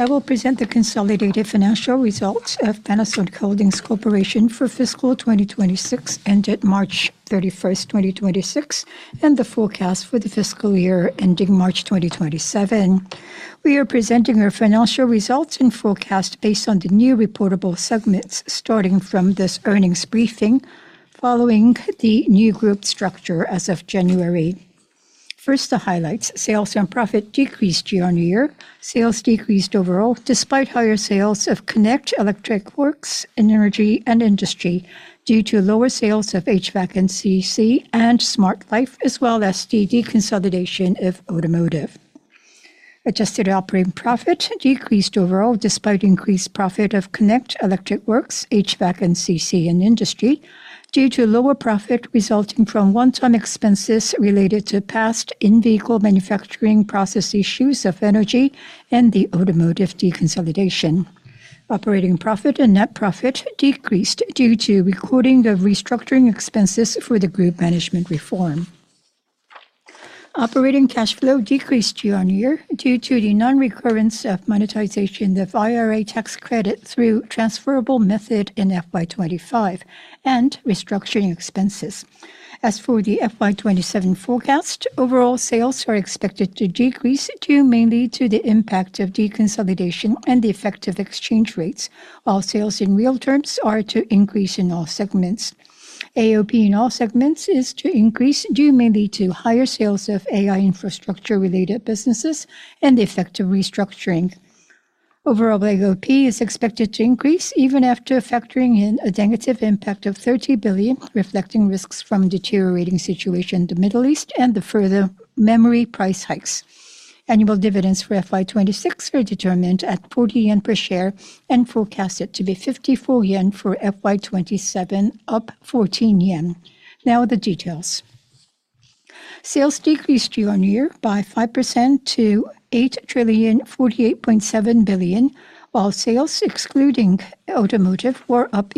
I will present the consolidated financial results of Panasonic Holdings Corporation for fiscal 2026 ended March 31st, 2026, and the forecast for the fiscal year ending March 2027. We are presenting our financial results and forecast based on the new reportable segments starting from this earnings briefing following the new group structure as of January. First, the highlights. Sales and profit decreased year-on-year. Sales decreased overall despite higher sales of Connect, Electric Works, and Energy and Industry due to lower sales of HVAC and CC and Smart Life, as well as the deconsolidation of Automotive. Adjusted operating profit decreased overall despite increased profit of Connect, Electric Works, HVAC and CC, and Industry due to lower profit resulting from one-time expenses related to past in-vehicle manufacturing process issues of Energy and the Automotive deconsolidation. Operating profit and net profit decreased due to recording the restructuring expenses for the group management reform. Operating cash flow decreased year-on-year due to the non-recurrence of monetization of IRA tax credit through transferable method in FY 2025 and restructuring expenses. As for the FY 2027 forecast, overall sales are expected to decrease due mainly to the impact of deconsolidation and the effect of exchange rates, while sales in real terms are to increase in all segments. AOP in all segments is to increase due mainly to higher sales of AI infrastructure related businesses and the effect of restructuring. Overall AOP is expected to increase even after factoring in a negative impact of 30 billion, reflecting risks from deteriorating situation in the Middle East and the further memory price hikes. Annual dividends for FY 2026 are determined at 40 yen per share and forecasted to be 54 yen for FY 2027, up 14 yen. Now the details. Sales decreased year-on-year by 5% to 8,048.7 billion, while sales excluding Automotive were up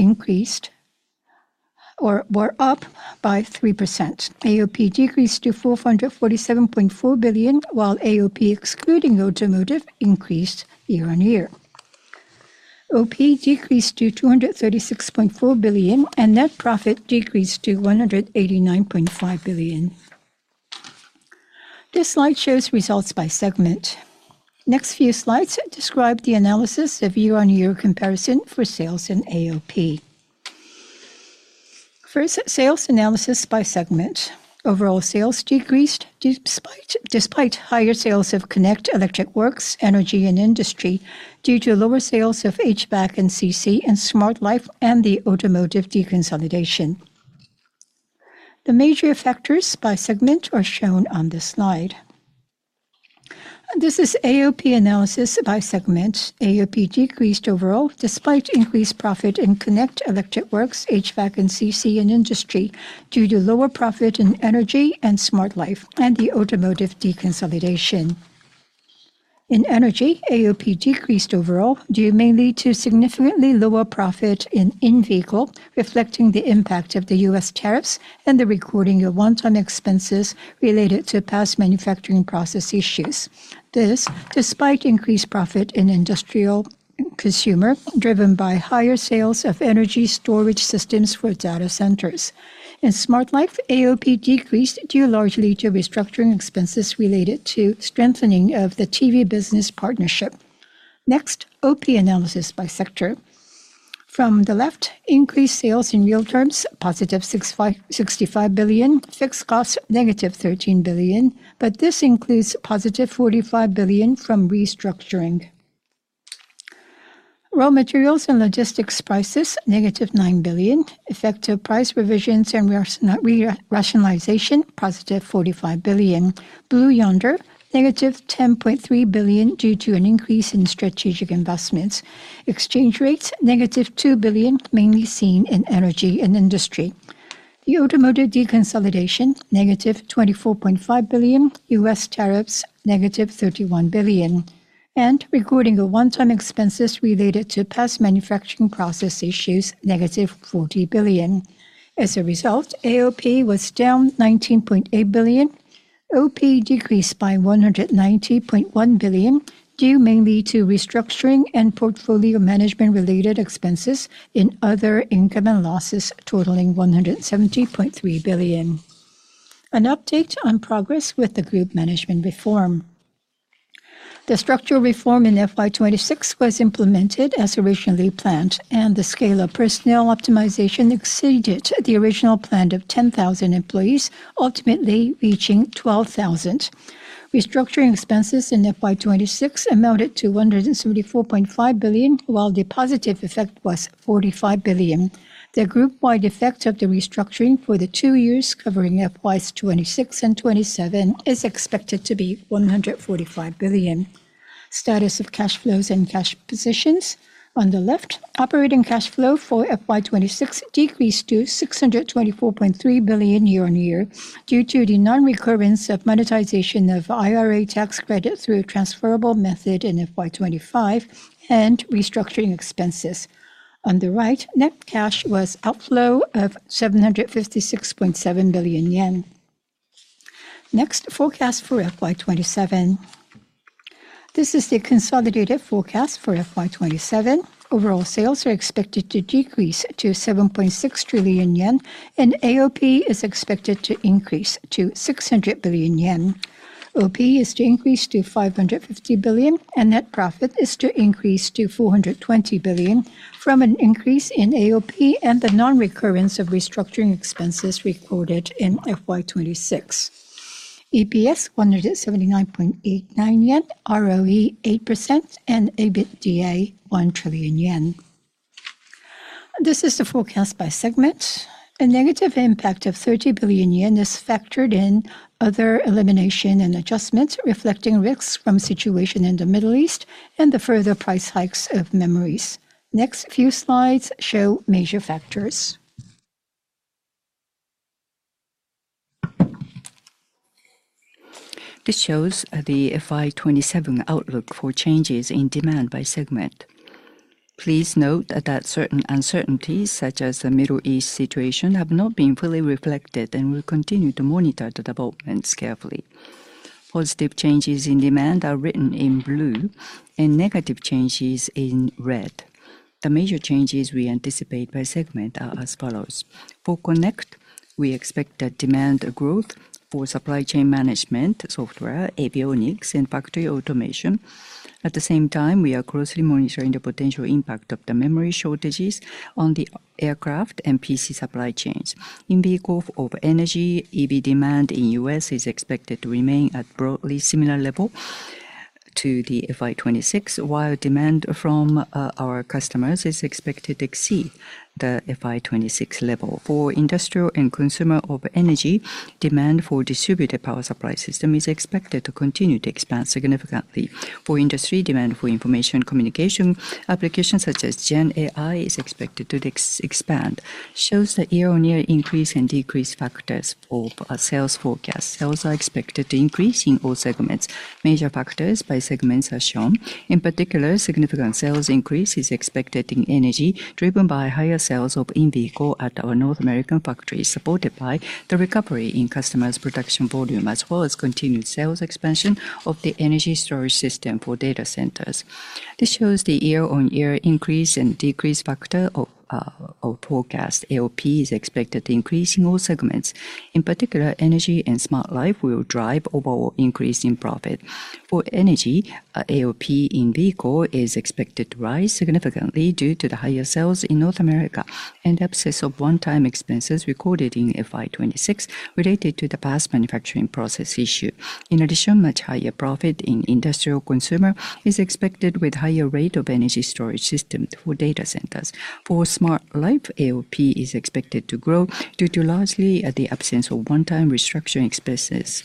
by 3%. AOP decreased to 447.4 billion, while AOP excluding Automotive increased year-on-year. OP decreased to 236.4 billion, and net profit decreased to 189.5 billion. This slide shows results by segment. Next few slides describe the analysis of year-on-year comparison for sales and AOP. First, sales analysis by segment. Overall sales decreased despite higher sales of Connect, Electric Works, Energy and Industry due to lower sales of HVAC and CC and Smart Life and the Automotive deconsolidation. The major factors by segment are shown on this slide. This is AOP analysis by segment. AOP decreased overall despite increased profit in Connect, Electric Works, HVAC and CC, and Industry due to lower profit in Energy and Smart Life and the automotive deconsolidation. In Energy, AOP decreased overall due mainly to significantly lower profit in in-vehicle, reflecting the impact of the U.S. tariffs and the recording of one-time expenses related to past manufacturing process issues. This despite increased profit in industrial consumer, driven by higher sales of Energy Storage System for data centers. In Smart Life, AOP decreased due largely to restructuring expenses related to strengthening of the TV business partnership. Next, OP analysis by sector. From the left, increased sales in real terms, positive 65 billion. Fixed costs, negative 13 billion. This includes positive 45 billion from restructuring. Raw materials and logistics prices, negative 9 billion. Effect of price revisions and rationalization, positive 45 billion. Blue Yonder, -10.3 billion due to an increase in strategic investments. Exchange rates, -2 billion, mainly seen in Energy and Industry. The automotive deconsolidation, JPY -24.5 billion. U.S. tariffs, -31 billion. Recording of one-time expenses related to past manufacturing process issues, -40 billion. As a result, AOP was down 19.8 billion. OP decreased by 190.1 billion due mainly to restructuring and portfolio management related expenses in other income and losses totaling 170.3 billion. An update on progress with the group management reform. The structural reform in FY 2026 was implemented as originally planned, and the scale of personnel optimization exceeded the original plan of 10,000 employees, ultimately reaching 12,000. Restructuring expenses in FY 2026 amounted to 174.5 billion, while the positive effect was 45 billion. The Group-wide effect of the restructuring for the two years covering FY 2026 and FY 2027 is expected to be 145 billion. Status of cash flows and cash positions. On the left, operating cash flow for FY 2026 decreased to 624.3 billion year-over-year due to the non-recurrence of monetization of IRA tax credit through transferable method in FY 2025 and restructuring expenses. On the right, net cash was outflow of 756.7 billion yen. Next, forecast for FY 2027. This is the consolidated forecast for FY 2027. Overall sales are expected to decrease to 7.6 trillion yen, AOP is expected to increase to 600 billion yen. OP is to increase to 550 billion, net profit is to increase to 420 billion from an increase in AOP and the non-recurrence of restructuring expenses recorded in FY 2026. EPS 179.89 yen, ROE 8%, EBITDA 1 trillion yen. This is the forecast by segment. A negative impact of 30 billion yen is factored in other elimination and adjustments, reflecting risks from situation in the Middle East and the further price hikes of memories. Next few slides show major factors. This shows the FY 2027 outlook for changes in demand by segment. Please note that certain uncertainties, such as the Middle East situation, have not been fully reflected and we'll continue to monitor the developments carefully. Positive changes in demand are written in blue and negative changes in red. The major changes we anticipate by segment are as follows. For Connect, we expect a demand growth for supply chain management software, avionics, and factory automation. At the same time, we are closely monitoring the potential impact of the memory shortages on the aircraft and PC supply chains. In Vehicle of Energy, EV demand in U.S. is expected to remain at broadly similar level to the FY 2026, while demand from our customers is expected to exceed the FY 2026 level. For Industrial and Consumer of Energy, demand for distributed power supply system is expected to continue to expand significantly. For Industry, demand for information communication applications such as GenAI is expected to expand. Shows the year-on-year increase and decrease factors of sales forecast. Sales are expected to increase in all segments. Major factors by segments are shown. In particular, significant sales increase is expected in Energy, driven by higher sales of in-vehicle at our North American factories, supported by the recovery in customers' production volume, as well as continued sales expansion of the Energy Storage System for data centers. This shows the year-on-year increase and decrease factor of forecast. AOP is expected to increase in all segments. In particular, Energy and Smart Life will drive overall increase in profit. For Energy, AOP in Vehicle is expected to rise significantly due to the higher sales in North America and absence of one-time expenses recorded in FY 2026 related to the past manufacturing process issue. In addition, much higher profit in Panasonic Industry is expected with higher rate of Energy Storage System for data centers. For Smart Life, AOP is expected to grow due to largely at the absence of one-time restructuring expenses.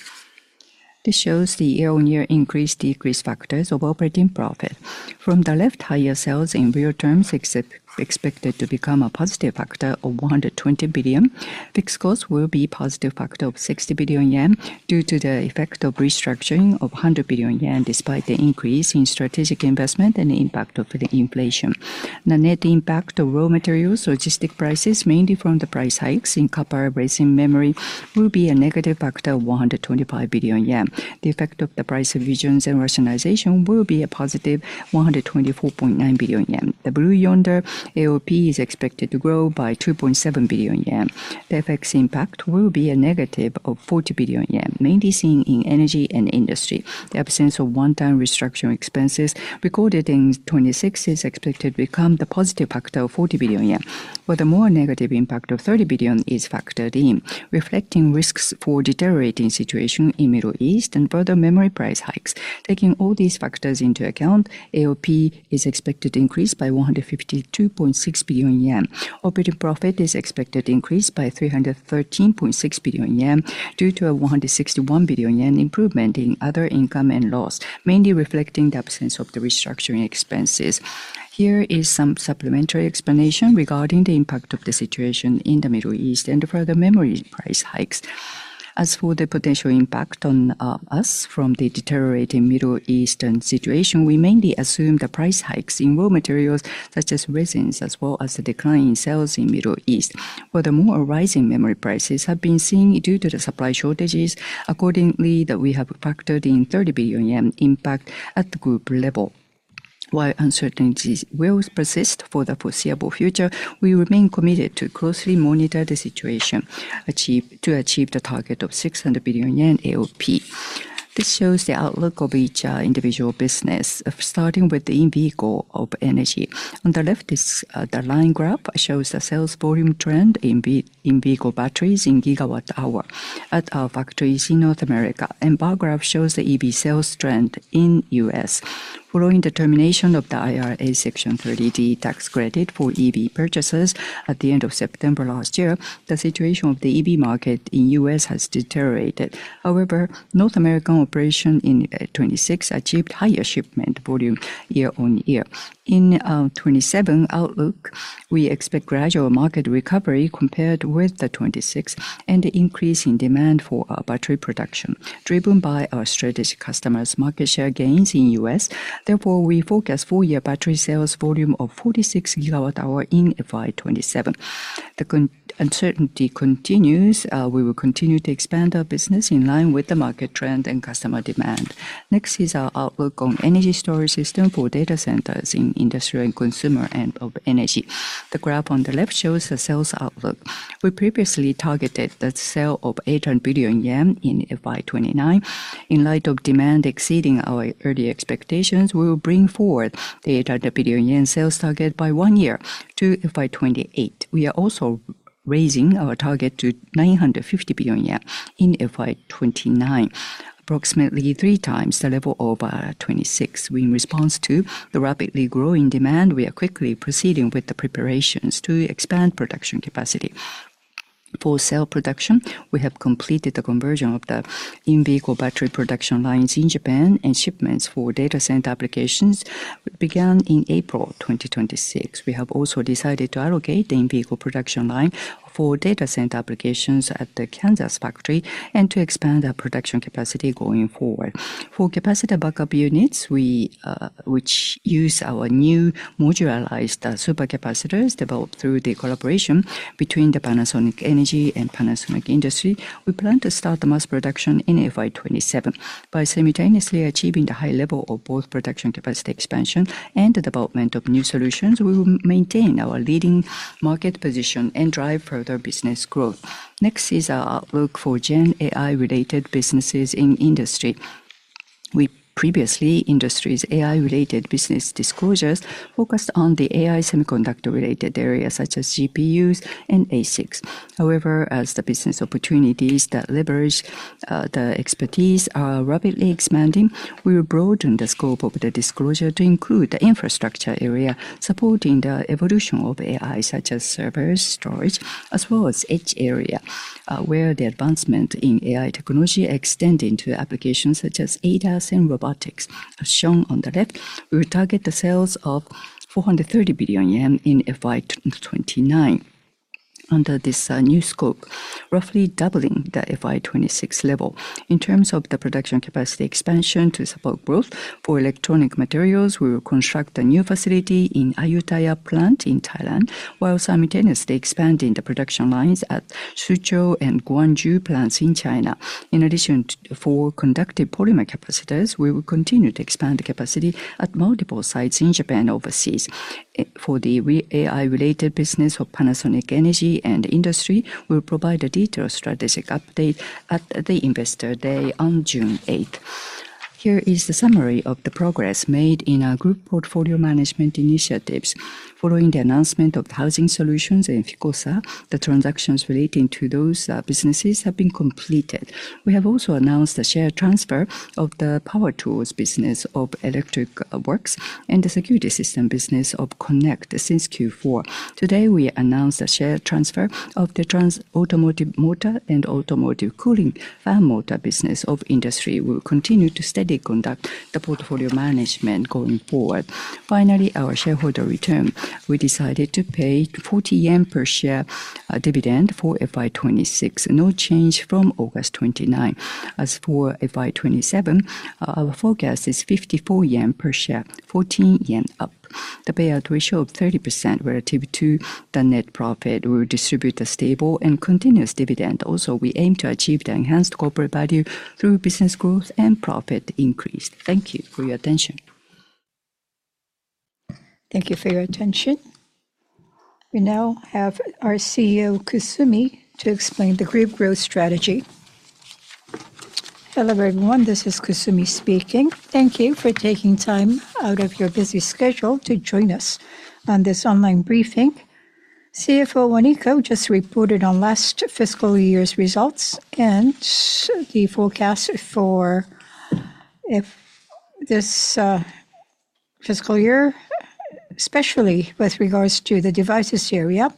This shows the year-on-year increase/decrease factors of operating profit. From the left, higher sales in real terms expected to become a positive factor of 120 billion. Fixed costs will be positive factor of 60 billion yen due to the effect of restructuring of 100 billion yen, despite the increase in strategic investment and the impact of the inflation. The net impact of raw materials, logistic prices, mainly from the price hikes in copper-based memory, will be a negative factor of 125 billion yen. The effect of the price revisions and rationalization will be a positive 124.9 billion yen. The Blue Yonder AOP is expected to grow by 2.7 billion yen. FX impact will be a negative of 40 billion yen, mainly seen in Energy and Industry. The absence of one-time restructuring expenses recorded in FY 2026 is expected to become the positive factor of 40 billion yen. The more negative impact of 30 billion is factored in, reflecting risks for deteriorating situation in Middle East and further memory price hikes. Taking all these factors into account, AOP is expected to increase by 152.6 billion yen. Operating profit is expected to increase by 313.6 billion yen due to a 161 billion yen improvement in other income and loss, mainly reflecting the absence of the restructuring expenses. Here is some supplementary explanation regarding the impact of the situation in the Middle East and further memory price hikes. As for the potential impact on us from the deteriorating Middle Eastern situation, we mainly assume the price hikes in raw materials such as resins, as well as the decline in sales in Middle East. Furthermore, rising memory prices have been seen due to the supply shortages. Accordingly, that we have factored in 30 billion yen impact at the Group level. While uncertainties will persist for the foreseeable future, we remain committed to closely monitor the situation to achieve the target of 600 billion yen AOP. This shows the outlook of each individual business, starting with the in-vehicle of Energy. On the left is, the line graph shows the sales volume trend in in-vehicle batteries in gigawatt hour at our factories in North America, and bar graph shows the EV sales trend in U.S. Following the termination of the IRA Section 30D tax credit for EV purchases at the end of September last year, the situation of the EV market in U.S. has deteriorated. However, North American operation in 26 achieved higher shipment volume year on year. In 27 outlook, we expect gradual market recovery compared with the 26 and increase in demand for battery production, driven by our strategic customers' market share gains in U.S. Therefore, we forecast full year battery sales volume of 46 gigawatt hour in FY 2027. Uncertainty continues. We will continue to expand our business in line with the market trend and customer demand. Next is our outlook on Energy Storage System for data centers in Industrial and Consumer and of Energy. The graph on the left shows the sales outlook. We previously targeted the sale of 800 billion yen in FY 2029. In light of demand exceeding our early expectations, we will bring forward the JPY 800 billion sales target by one year to FY 2028. We are also raising our target to 950 billion yen in FY 2029, approximately 3 times the level of 2026. In response to the rapidly growing demand, we are quickly proceeding with the preparations to expand production capacity. For cell production, we have completed the conversion of the in-vehicle battery production lines in Japan, and shipments for data center applications began in April 2026. We have also decided to allocate the in-vehicle production line for data center applications at the Kansas factory and to expand our production capacity going forward. For Capacitor Backup Units, we, which use our new modularized super capacitors developed through the collaboration between Panasonic Energy and Panasonic Industry, we plan to start the mass production in FY 2027. By simultaneously achieving the high level of both production capacity expansion and the development of new solutions, we will maintain our leading market position and drive further business growth. Next is our outlook for GenAI related businesses in Industry. We previously, Industry's AI related business disclosures focused on the AI semiconductor related areas such as GPUs and ASICs. However, as the business opportunities that leverage the expertise are rapidly expanding, we'll broaden the scope of the disclosure to include the infrastructure area supporting the evolution of AI, such as servers, storage, as well as edge area, where the advancement in AI technology extend into applications such as ADAS and robotics. As shown on the left, we will target the sales of 430 billion yen in FY 2029 under this new scope, roughly doubling the FY 2026 level. In terms of the production capacity expansion to support growth for electronic materials, we will construct a new facility in Ayutthaya plant in Thailand, While simultaneously expanding the production lines at Suzhou and Guangzhou plants in China. In addition to for conductive polymer capacitors, we will continue to expand the capacity at multiple sites in Japan overseas. For the AI related business of Panasonic Energy and Industry, we'll provide a detailed strategic update at the Investor Day on June eighth. Here is the summary of the progress made in our group portfolio management initiatives. Following the announcement of housing solutions and Ficosa, the transactions relating to those businesses have been completed. We have also announced the share transfer of the power tools business of Electric Works and the security system business of Connect since Q4. Today, we announced the share transfer of the automotive motor and automotive cooling fan motor business of Industry. We'll continue to steadily conduct the portfolio management going forward. Finally, our shareholder return. We decided to pay 40 yen per share dividend for FY 2026. No change from August 29. As for FY 2027, our forecast is 54 yen per share, 14 yen up. The payout ratio of 30% relative to the net profit. We will distribute a stable and continuous dividend. We aim to achieve the enhanced corporate value through business growth and profit increase. Thank you for your attention. We now have our CEO, Kusumi, to explain the Group growth strategy. Hello, everyone. This is Kusumi speaking. Thank you for taking time out of your busy schedule to join us on this online briefing. CFO Waniko just reported on last fiscal year's results and the forecast for this fiscal year, especially with regards to the devices area.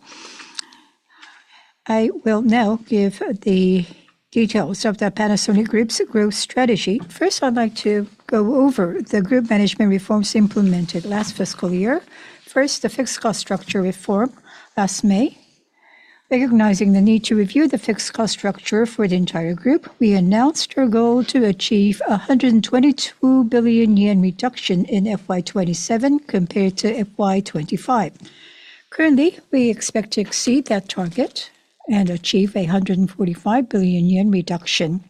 I will now give the details of the Panasonic Group's growth strategy. First, I'd like to go over the Group management reforms implemented last fiscal year. First, the fixed cost structure reform last May. Recognizing the need to review the fixed cost structure for the entire Group, we announced our goal to achieve a 122 billion yen reduction in FY 2027 compared to FY 2025. Currently, we expect to exceed that target and achieve a 145 billion yen reduction.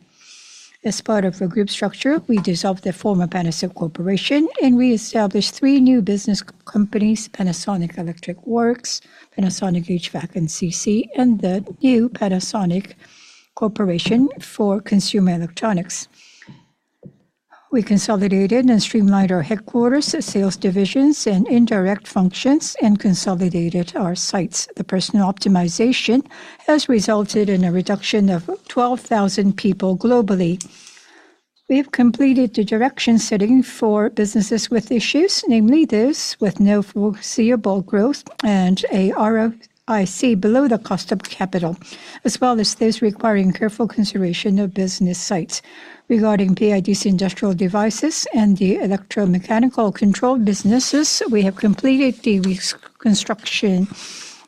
As part of the group structure, we dissolved the former Panasonic Corporation and reestablished three new business companies, Panasonic Electric Works, Panasonic HVAC and CC, and the new Panasonic Corporation for Consumer Electronics. We consolidated and streamlined our headquarters, sales divisions, and indirect functions and consolidated our sites. The personnel optimization has resulted in a reduction of 12,000 people globally. We have completed the direction setting for businesses with issues, namely those with no foreseeable growth and a ROIC below the cost of capital, as well as those requiring careful consideration of business sites. Regarding PIDC industrial devices and the electromechanical control businesses, we have completed the reconstruction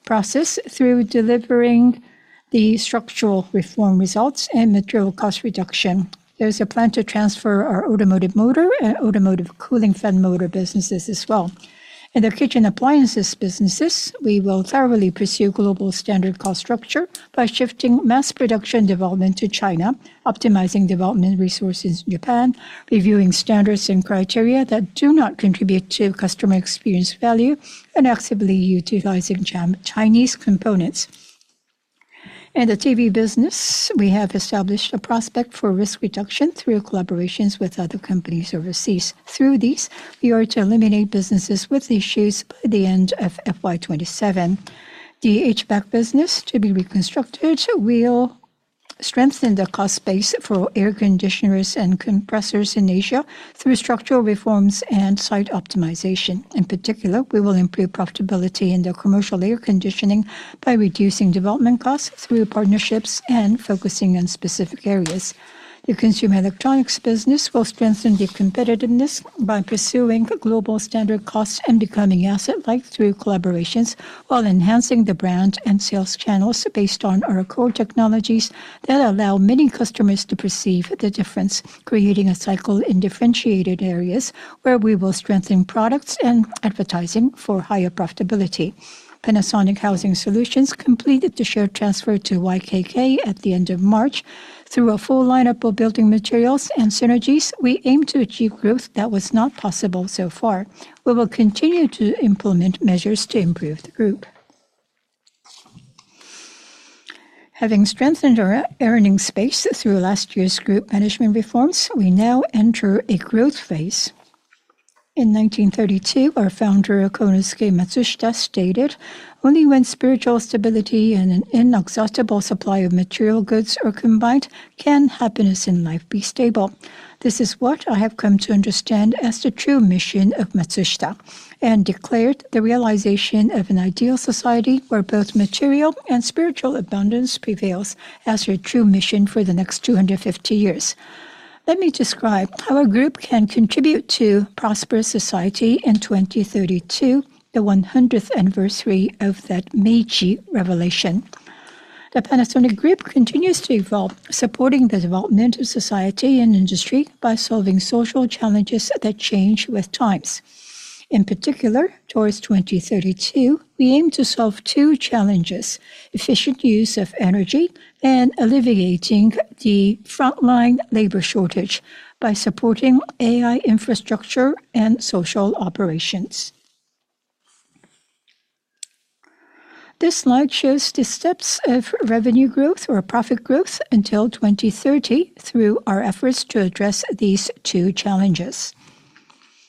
process through delivering the structural reform results and material cost reduction. There's a plan to transfer our automotive motor and automotive cooling fan motor businesses as well. In the kitchen appliances businesses, we will thoroughly pursue global standard cost structure by shifting mass production development to China, optimizing development resources in Japan, reviewing standards and criteria that do not contribute to customer experience value, and actively utilizing Chinese components. In the TV business, we have established a prospect for risk reduction through collaborations with other companies overseas. Through these, we are to eliminate businesses with issues by the end of FY 2027. The HVAC business to be reconstructed will strengthen the cost base for air conditioners and compressors in Asia through structural reforms and site optimization. In particular, we will improve profitability in the commercial air conditioning by reducing development costs through partnerships and focusing on specific areas. The consumer electronics business will strengthen the competitiveness by pursuing global standard costs and becoming asset-light through collaborations while enhancing the brand and sales channels based on our core technologies that allow many customers to perceive the difference, creating a cycle in differentiated areas where we will strengthen products and advertising for higher profitability. Panasonic Housing Solutions completed the share transfer to YKK at the end of March. Through a full lineup of building materials and synergies, we aim to achieve growth that was not possible so far. We will continue to implement measures to improve the group. Having strengthened our earnings base through last year's group management reforms, we now enter a growth phase. In 1932, our founder, Konosuke Matsushita, stated, "Only when spiritual stability and an inexhaustible supply of material goods are combined can happiness in life be stable. This is what I have come to understand as the true mission of Matsushita," and declared the realization of an ideal society where both material and spiritual abundance prevails as our true mission for the next 250 years. Let me describe how our group can contribute to prosperous society in 2032, the 100th anniversary of that Meichi revelation. The Panasonic Group continues to evolve, supporting the development of society and industry by solving social challenges that change with times. In particular, towards 2032, we aim to solve 2 challenges: efficient use of energy and alleviating the frontline labor shortage by supporting AI infrastructure and social operations. This slide shows the steps of revenue growth or profit growth until 2030 through our efforts to address these 2 challenges.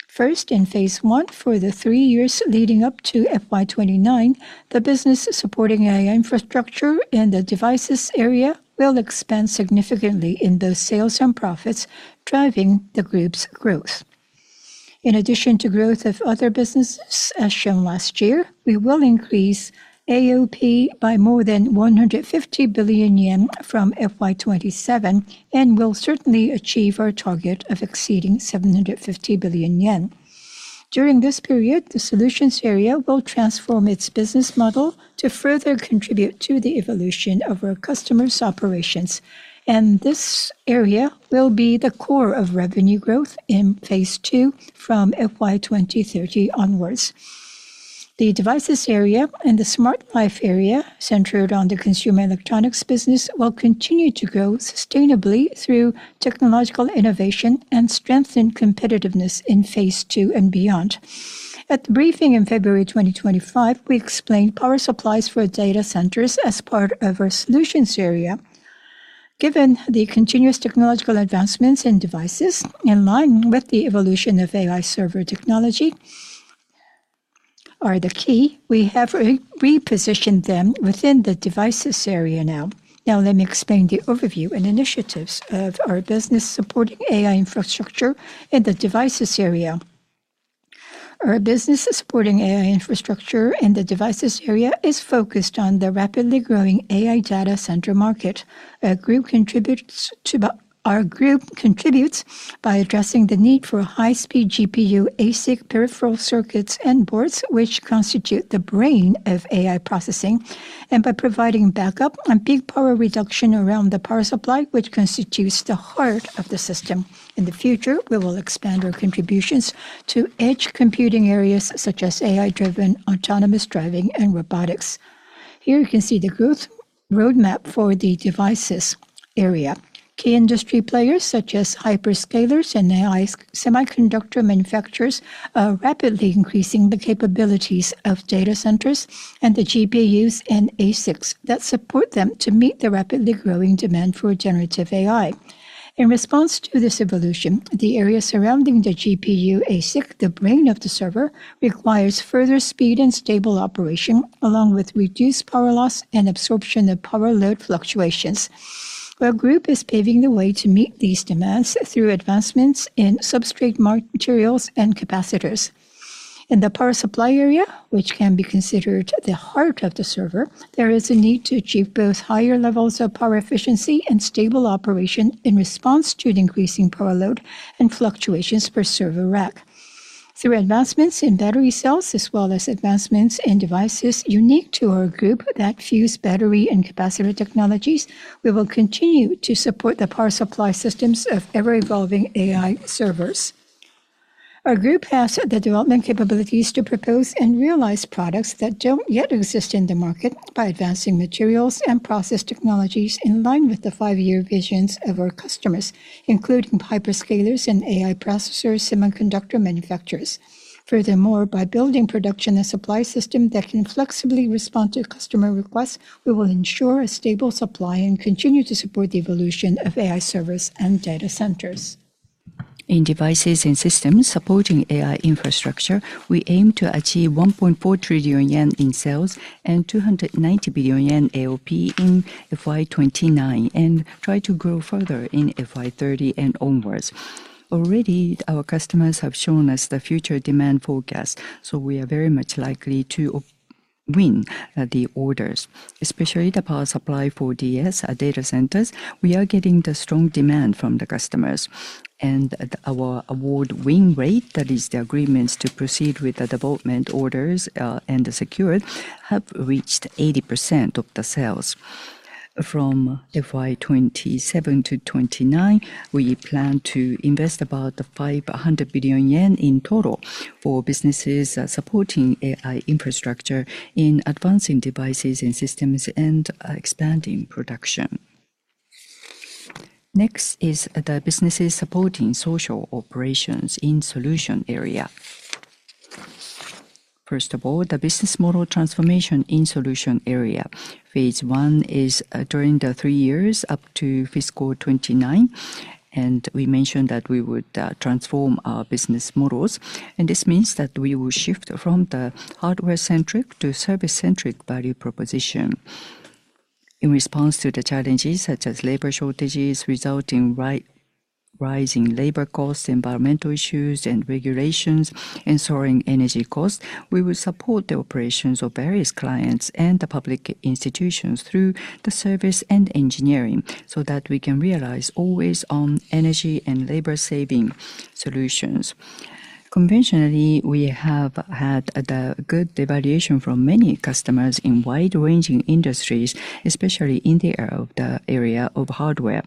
First, in phase 1, for the 3 years leading up to FY 2029, the business supporting AI infrastructure in the devices area will expand significantly in those sales and profits, driving the group's growth. In addition to growth of other businesses as shown last year, we will increase AOP by more than 150 billion yen from FY 2027 and will certainly achieve our target of exceeding 750 billion yen. During this period, the solutions area will transform its business model to further contribute to the evolution of our customers' operations, and this area will be the core of revenue growth in phase 2 from FY 2030 onwards. The devices area and the Smart Life area centered on the consumer electronics business will continue to grow sustainably through technological innovation and strengthen competitiveness in phase 2 and beyond. At the briefing in February 2025, we explained power supplies for data centers as part of our solutions area. Given the continuous technological advancements in devices in line with the evolution of AI server technology are the key, we have re-positioned them within the devices area now. Let me explain the overview and initiatives of our business supporting AI infrastructure in the devices area. Our business supporting AI infrastructure in the devices area is focused on the rapidly growing AI data center market. Our group contributes by addressing the need for high-speed GPU ASIC peripheral circuits and boards, Which constitute the brain of AI processing, and by providing backup and peak power reduction around the power supply, which constitutes the heart of the system. In the future, we will expand our contributions to edge computing areas such as AI-driven autonomous driving and robotics. Here you can see the growth roadmap for the devices area. Key industry players such as hyperscalers and AI semiconductor manufacturers are rapidly increasing the capabilities of data centers and the GPUs and ASICs that support them to meet the rapidly growing demand for generative AI. In response to this evolution, the area surrounding the GPU ASIC, the brain of the server, requires further speed and stable operation, along with reduced power loss and absorption of power load fluctuations. Our group is paving the way to meet these demands through advancements in substrate materials and capacitors. In the power supply area, which can be considered the heart of the server, there is a need to achieve both higher levels of power efficiency and stable operation in response to the increasing power load and fluctuations per server rack. Through advancements in battery cells, as well as advancements in devices unique to our group that fuse battery and capacitor technologies, we will continue to support the power supply systems of ever-evolving AI servers. Our group has the development capabilities to propose and realize products that don't yet exist in the market by advancing materials and process technologies in line with the five-year visions of our customers, including hyperscalers and AI processor semiconductor manufacturers. Furthermore, by building production and supply system that can flexibly respond to customer requests, we will ensure a stable supply and continue to support the evolution of AI servers and data centers. In devices and systems supporting AI infrastructure, we aim to achieve 1.4 trillion yen in sales and 290 billion yen AOP in FY 2029 and try to grow further in FY 2030 and onwards. Already, our customers have shown us the future demand forecast, we are very much likely to win the orders, especially the power supply for DC, our data centers. We are getting the strong demand from the customers and our award win rate, that is the agreements to proceed with the development orders, and the secured have reached 80% of the sales. From FY 2027-2029, we plan to invest about 500 billion yen in total for businesses supporting AI infrastructure in advancing devices and systems and expanding production. Next is the businesses supporting social operations in solution area. First of all, the business model transformation in solution area. Phase one is during the 3 years up to fiscal 2029, and we mentioned that we would transform our business models, and this means that we will shift from the hardware-centric to service-centric value proposition. In response to the challenges such as labor shortages resulting rising labor costs, environmental issues and regulations, and soaring energy costs, we will support the operations of various clients and the public institutions through the service and engineering so that we can realize always-on energy and labor-saving solutions. Conventionally, we have had the good evaluation from many customers in wide-ranging industries, especially in the area of hardware.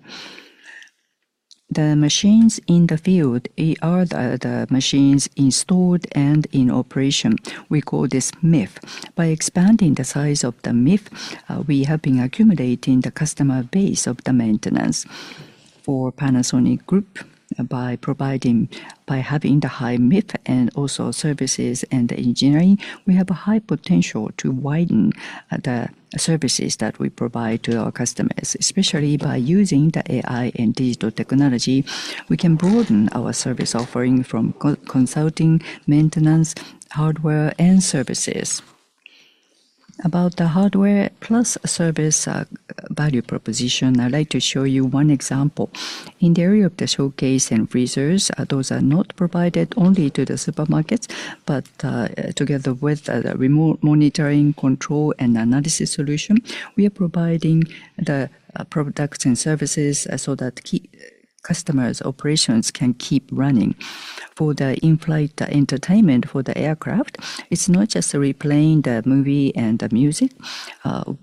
The machines in the field are the machines installed and in operation. We call this MIF. By expanding the size of the MIF, we have been accumulating the customer base of the maintenance for Panasonic Group by having the high MIF and also services and engineering, we have a high potential to widen the services that we provide to our customers, especially by using the AI and digital technology, we can broaden our service offering from co-consulting, maintenance, hardware, and services. About the hardware plus service value proposition, I'd like to show you one example. In the area of the showcase and freezers, those are not provided only to the supermarkets, but together with the remote monitoring, control, and analysis solution, we are providing the products and services so that key customers' operations can keep running. For the in-flight entertainment for the aircraft, it's not just replaying the movie and the music.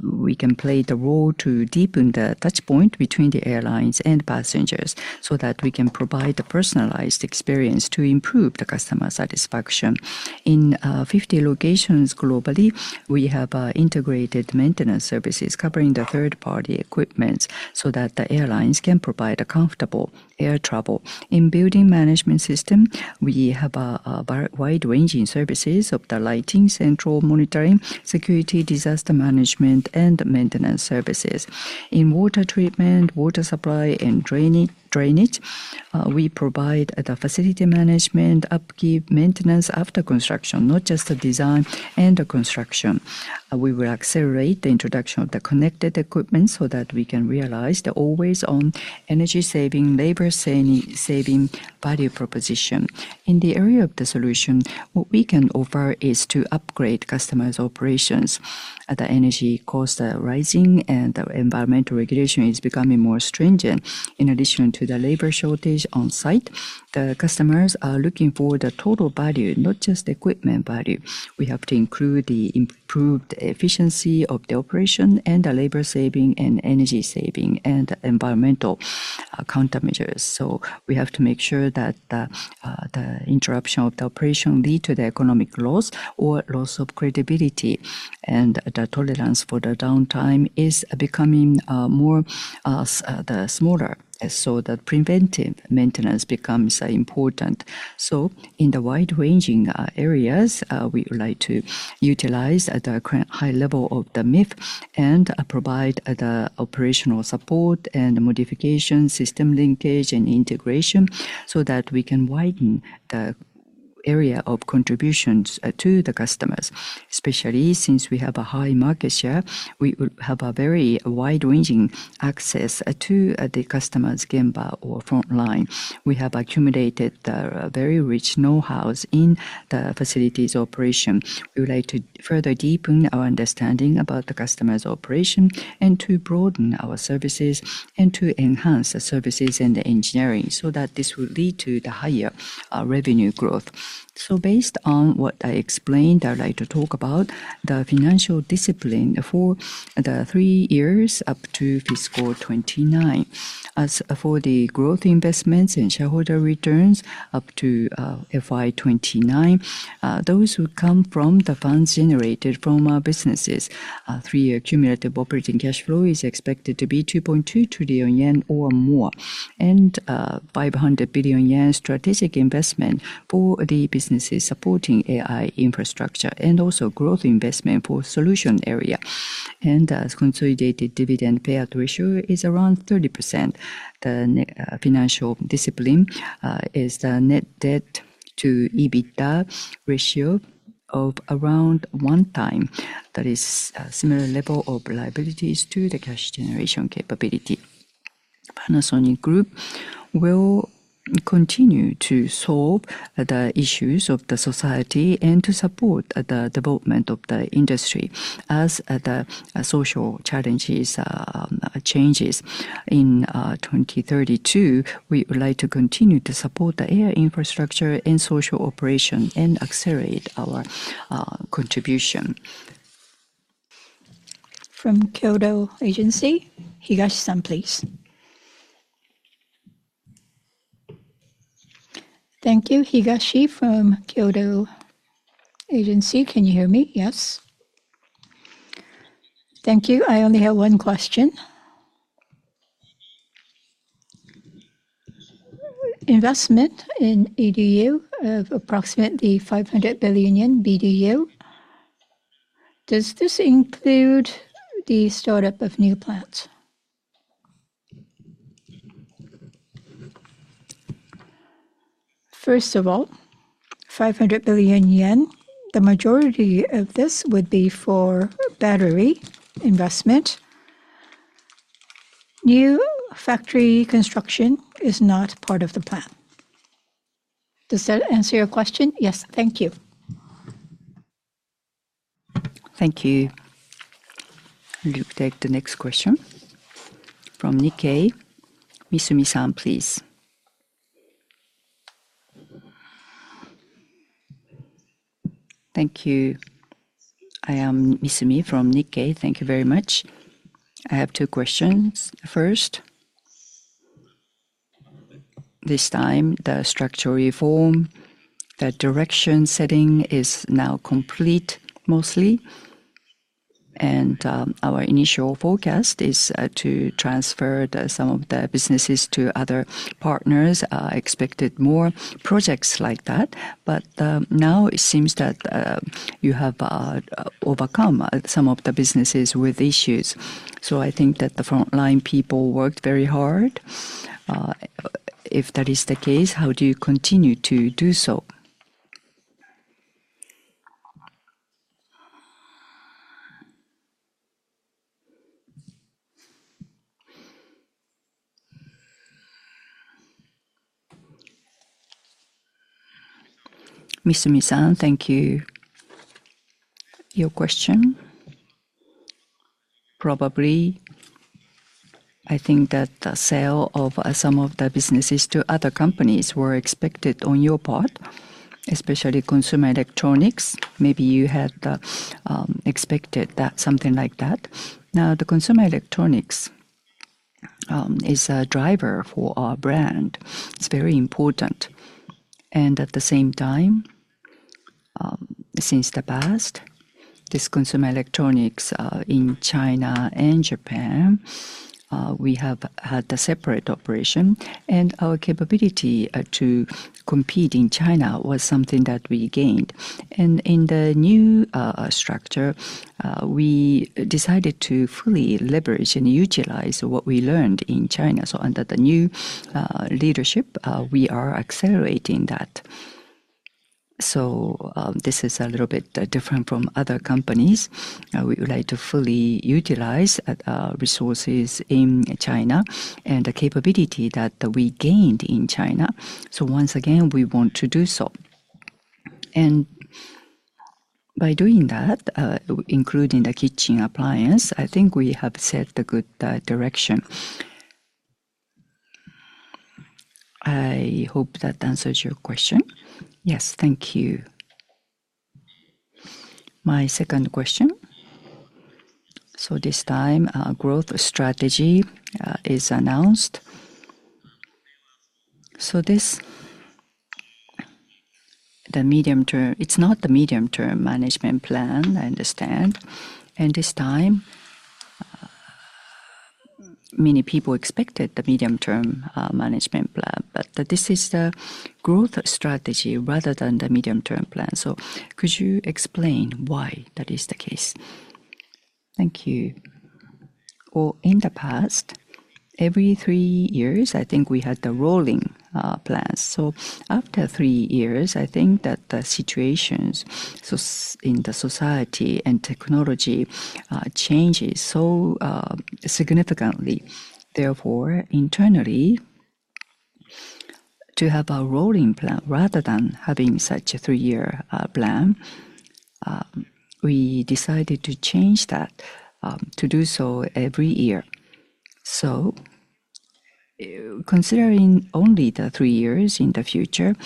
We can play the role to deepen the touch point between the airlines and passengers so that we can provide the personalized experience to improve the customer satisfaction. In 50 locations globally, we have integrated maintenance services covering the third-party equipments so that the airlines can provide a comfortable air travel. In building management system, we have a very wide-ranging services of the lighting, central monitoring, security, disaster management, and maintenance services. In water treatment, water supply, and drainage, we provide the facility management, upkeep, maintenance after construction, not just the design and the construction. We will accelerate the introduction of the connected equipment so that we can realize the always-on energy-saving, labor-saving value proposition. In the area of the solution, what we can offer is to upgrade customers' operations. The energy costs are rising, and the environmental regulation is becoming more stringent. In addition to the labor shortage on site, the customers are looking for the total value, not just equipment value. We have to include the improved efficiency of the operation and the labor saving and energy saving and environmental countermeasures. We have to make sure that the interruption of the operation lead to the economic loss or loss of credibility, and the tolerance for the downtime is becoming more smaller, so the preventive maintenance becomes important. In the wide-ranging areas, we would like to utilize the current high level of the MIF and provide the operational support and modification, system linkage, and integration so that we can widen the area of contributions to the customers. Especially since we have a high market share, we will have a very wide-ranging access to the customer's gemba or front line. We have accumulated a very rich know-how in the facilities operation. We would like to further deepen our understanding about the customer's operation and to broaden our services and to enhance the services and the engineering so that this will lead to the higher revenue growth. Based on what I explained, I would like to talk about the financial discipline for the three years up to FY 2029. As for the growth investments and shareholder returns up to FY 2029, those will come from the funds generated from our businesses. Our three-year cumulative operating cash flow is expected to be 2.2 trillion yen or more, and 500 billion yen strategic investment for the businesses supporting AI infrastructure and also growth investment for solution area. Consolidated dividend payout ratio is around 30%. The financial discipline is the net debt to EBITDA ratio. Of around 1 time that is a similar level of liabilities to the cash generation capability. Panasonic Group will continue to solve the issues of the society and to support the development of the industry as the social challenges changes. In 2032, we would like to continue to support the air infrastructure and social operation and accelerate our contribution. From Kyodo Agency, Higashi-san, please. Thank you. Higashi from Kyodo Agency. Can you hear me? Yes. Thank you. I only have one question. Investment in ECU of approximately 500 billion yen BBU. Does this include the startup of new plants? First of all, 500 billion yen, the majority of this would be for battery investment. New factory construction is not part of the plan. Does that answer your question? Yes. Thank you. Thank you. We'll take the next question from Nikkei. Misumi-san, please. Thank you. I am Misumi from Nikkei. Thank you very much. I have two questions. First, this time the structural reform, the direction setting is now complete mostly. Our initial forecast is to transfer some of the businesses to other partners. Expected more projects like that. Now it seems that you have overcome some of the businesses with issues. I think that the frontline people worked very hard. If that is the case, how do you continue to do so? Misumi-san, thank you. Your question. Probably, I think that the sale of some of the businesses to other companies were expected on your part, especially consumer electronics. Maybe you had expected something like that. The consumer electronics is a driver for our brand. It's very important. At the same time, since the past, this consumer electronics in China and Japan, we have had a separate operation, and our capability to compete in China was something that we gained. In the new structure, we decided to fully leverage and utilize what we learned in China. Under the new leadership, we are accelerating that. This is a little bit different from other companies. We would like to fully utilize resources in China and the capability that we gained in China. Once again, we want to do so. By doing that, including the kitchen appliance, I think we have set the good direction. I hope that answers your question. Yes. Thank you. My second question. This time, growth strategy is announced. This medium term, it's not the medium-term management plan, I understand. This time, many people expected the medium-term management plan, but this is the growth strategy rather than the medium-term plan. Could you explain why that is the case? Thank you. Well, in the past, every three years, I think we had the rolling plans. After three years, I think that the situations in the society and technology changes so significantly. Therefore, internally, to have a rolling plan rather than having such a three-year plan, we decided to change that to do so every year. Considering only the three years in the future,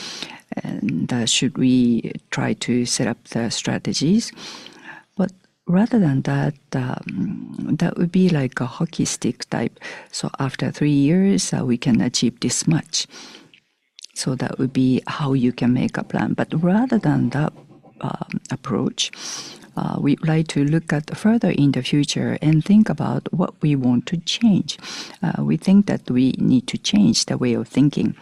and should we try to set up the strategies. Rather than that would be like a hockey stick type. After three years, we can achieve this much. That would be how you can make a plan. Rather than that approach, we'd like to look at further in the future and think about what we want to change. We think that we need to change the way of thinking.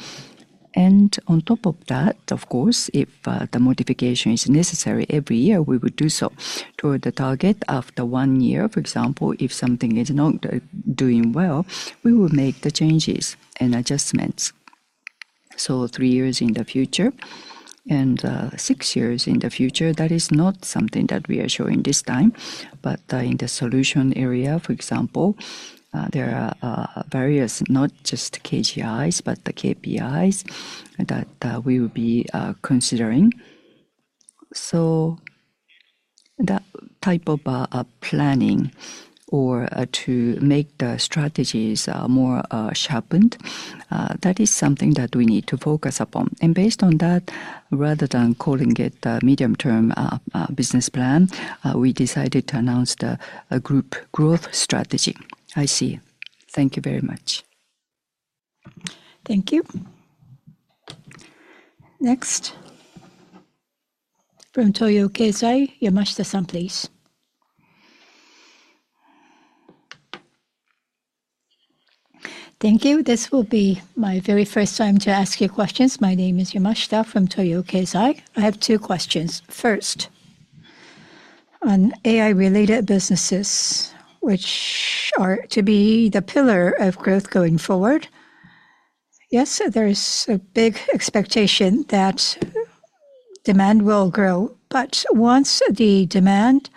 On top of that, of course, if the modification is necessary every year, we would do so. Toward the target after one year, for example, if something is not doing well, we will make the changes and adjustments. 3 years in the future and 6 years in the future, that is not something that we are showing this time. In the solution area, for example, there are various not just KGIs, but the KPIs that we will be considering. That type of planning or to make the strategies more sharpened, that is something that we need to focus upon. Based on that, rather than calling it a medium-term business plan, we decided to announce the group growth strategy. I see. Thank you very much. Thank you. Next. From Toyo Keizai, Yamashita-san, please. Thank you. This will be my very first time to ask you questions. My name is Yamashita from Toyo Keizai. I have two questions. First, on AI-related businesses, which are to be the pillar of growth going forward. Yes, there is a big expectation that demand will grow, but once the demand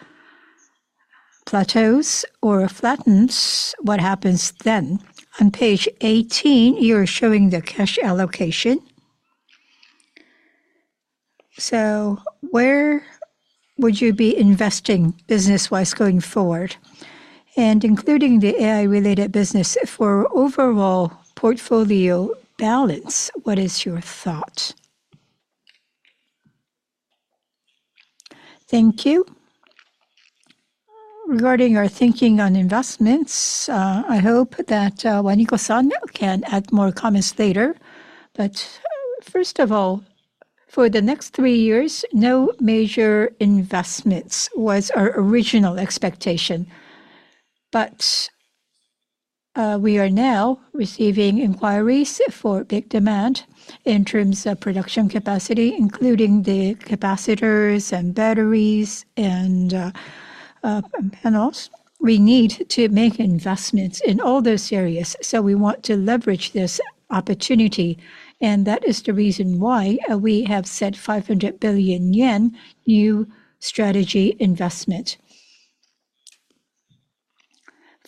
plateaus or flattens, what happens then? On page 18, you're showing the cash allocation. Where would you be investing business-wise going forward? Including the AI-related business for overall portfolio balance, what is your thought? Thank you. Regarding our thinking on investments, I hope that Waniko-san can add more comments later. First of all, for the next 3 years, no major investments was our original expectation. We are now receiving inquiries for big demand in terms of production capacity, including the capacitors and batteries and panels. We need to make investments in all those areas, so we want to leverage this opportunity, and that is the reason why we have set 500 billion yen new strategy investment.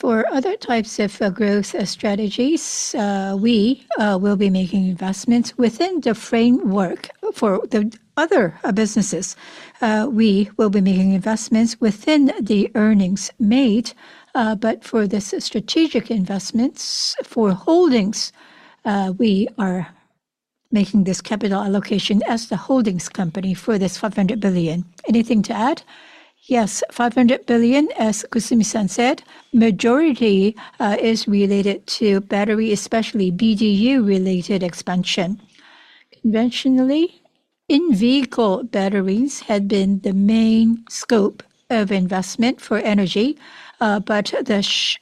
For other types of growth strategies, we will be making investments within the framework for the other businesses. We will be making investments within the earnings made, but for this strategic investments for holdings, we are making this capital allocation as the holdings company for this 500 billion. Anything to add? Yes, 500 billion, as Kusumi-san said, majority is related to battery, especially BDU-related expansion. Conventionally, in-vehicle batteries had been the main scope of investment for energy, but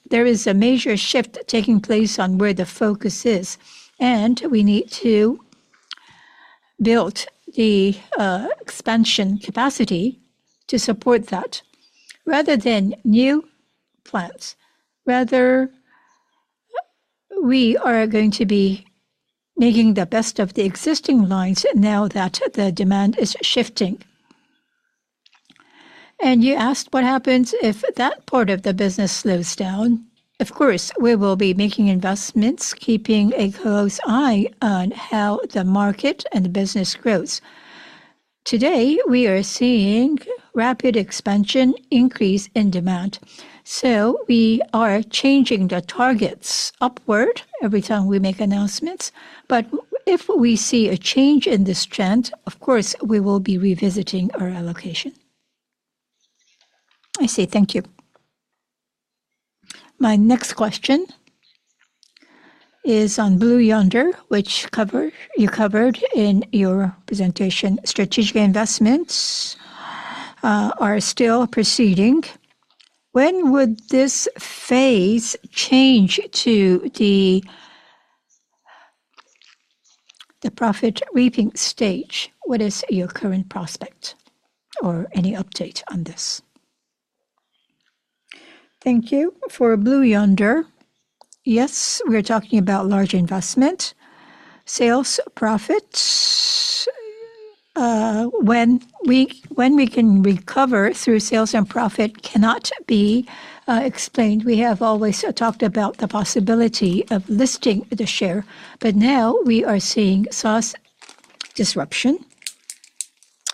there is a major shift taking place on where the focus is, and we need to build the expansion capacity to support that. Rather than new plants, rather we are going to be making the best of the existing lines now that the demand is shifting. You asked what happens if that part of the business slows down. Of course, we will be making investments, keeping a close eye on how the market and business grows. Today, we are seeing rapid expansion increase in demand. We are changing the targets upward every time we make announcements. If we see a change in this trend, of course, we will be revisiting our allocation. I see. Thank you. My next question is on Blue Yonder, you covered in your presentation. Strategic investments are still proceeding. When would this phase change to the profit reaping stage? What is your current prospect or any update on this? Thank you. For Blue Yonder, yes, we're talking about large investment. Sales profits, when we can recover through sales and profit cannot be explained. We have always talked about the possibility of listing the share. Now we are seeing SaaS disruption,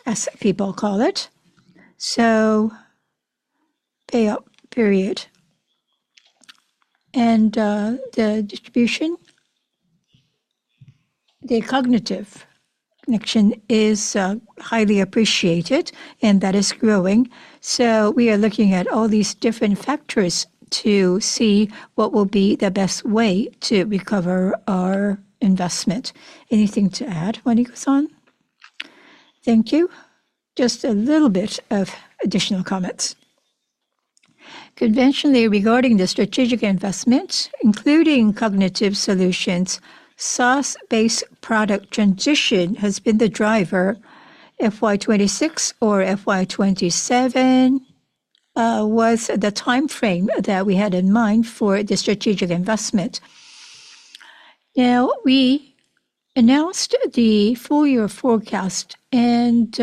as people call it. Payout period and the distribution, the cognitive connection is highly appreciated, and that is growing. We are looking at all these different factors to see what will be the best way to recover our investment. Anything to add, Waniko-san? Thank you. Just a little bit of additional comments. Conventionally, regarding the strategic investment, including cognitive solutions, SaaS-based product transition has been the driver FY 2026 or FY 2027. Was the time frame that we had in mind for the strategic investment. Now, we announced the full year forecast, and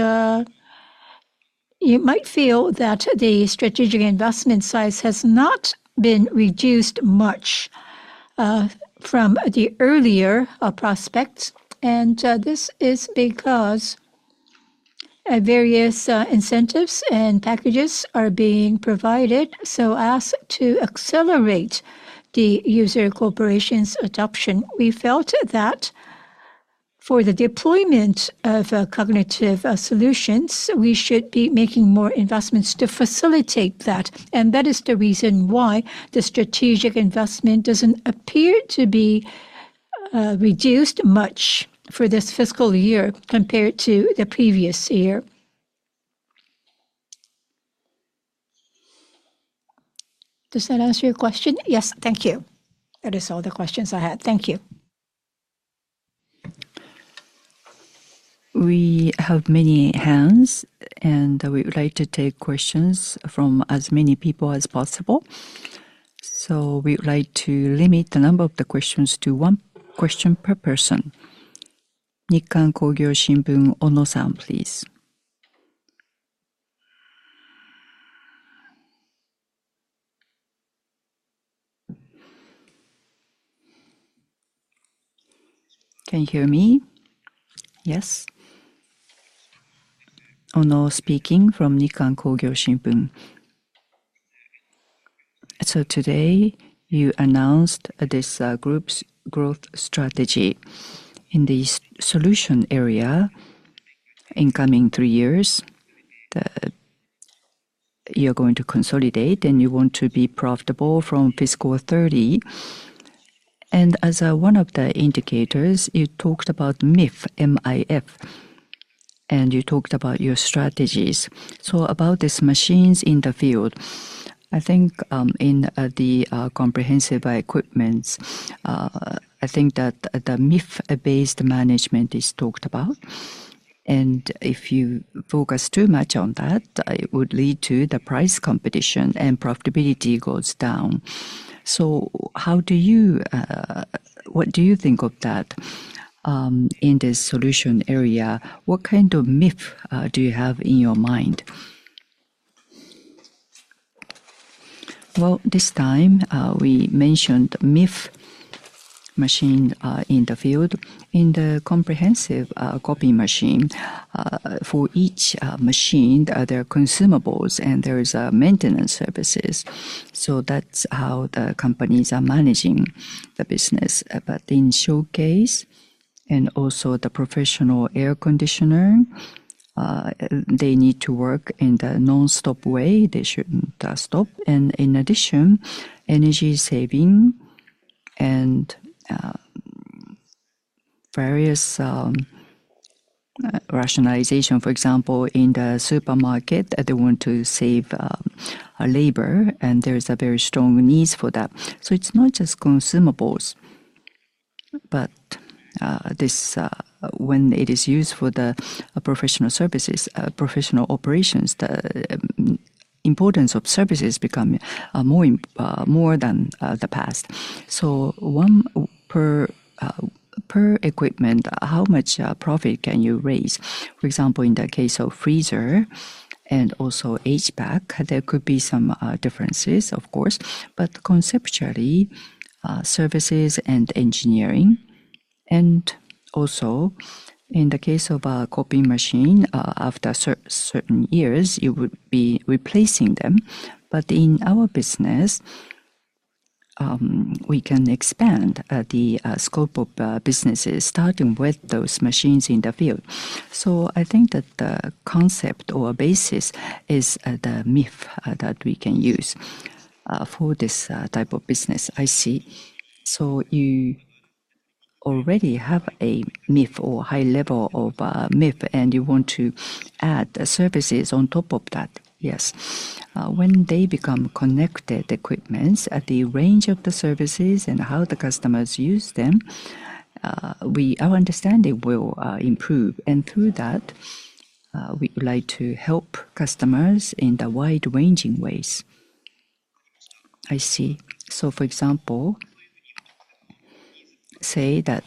you might feel that the strategic investment size has not been reduced much from the earlier prospects. This is because various incentives and packages are being provided so as to accelerate the user corporation's adoption. We felt that for the deployment of cognitive solutions, we should be making more investments to facilitate that. That is the reason why the strategic investment doesn't appear to be reduced much for this fiscal year compared to the previous year. Does that answer your question? Yes. Thank you. That is all the questions I had. Thank you. We have many hands, and we would like to take questions from as many people as possible. We would like to limit the number of the questions to one question per person. Nikkan Kogyo Shimbun, Ono-san, please. Can you hear me? Yes. Ono speaking from Nikkan Kogyo Shimbun. Today, you announced this group's growth strategy. In the solution area in coming 3 years, you're going to consolidate, and you want to be profitable from FY 2030. As one of the indicators, you talked about MIF, M-I-F, and you talked about your strategies. About these machines in the field, I think, in the comprehensive equipments, I think that the MIF-based management is talked about. If you focus too much on that, it would lead to the price competition and profitability goes down. How do you, what do you think of that, in the solution area? What kind of MIF do you have in your mind? Well, this time, we mentioned MIF, machine, in the field. In the comprehensive copy machine, for each machine, there are consumables, and there is maintenance services. That's how the companies are managing the business. In showcase and also the professional air conditioner, they need to work in the nonstop way. They shouldn't stop. In addition, energy saving and various rationalization, for example, in the supermarket, they want to save labor, and there is a very strong need for that. It's not just consumables, but this when it is used for the professional services, professional operations, the importance of services become more than the past. One per equipment, how much profit can you raise? For example, in the case of freezer and also HVAC, there could be some differences of course, conceptually, services and engineering. In the case of a copy machine, after certain years, you would be replacing them. In our business, we can expand the scope of businesses starting with those machines in the field. I think that the concept or basis is the MIF that we can use for this type of business. I see. You already have a MIF or high level of MIF, and you want to add services on top of that? Yes. When they become connected equipments, the range of the services and how the customers use them, our understanding will improve. Through that, we would like to help customers in the wide-ranging ways. I see. For example, say that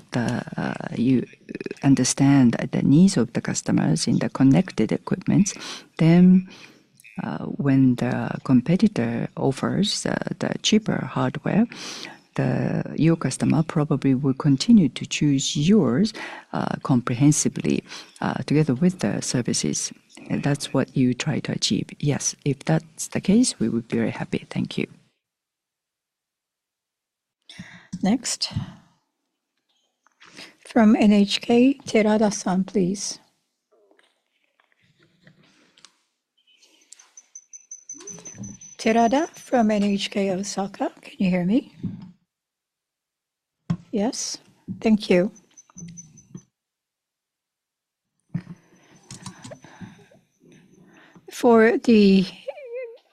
you understand the needs of the customers in the connected equipments, then, when the competitor offers the cheaper hardware, your customer probably will continue to choose yours, comprehensively, together with the services. That's what you try to achieve? Yes. If that's the case, we would be very happy. Thank you. Next. From NHK, Terada-san, please. Terada from NHK Osaka. Can you hear me? Yes. Thank you. For the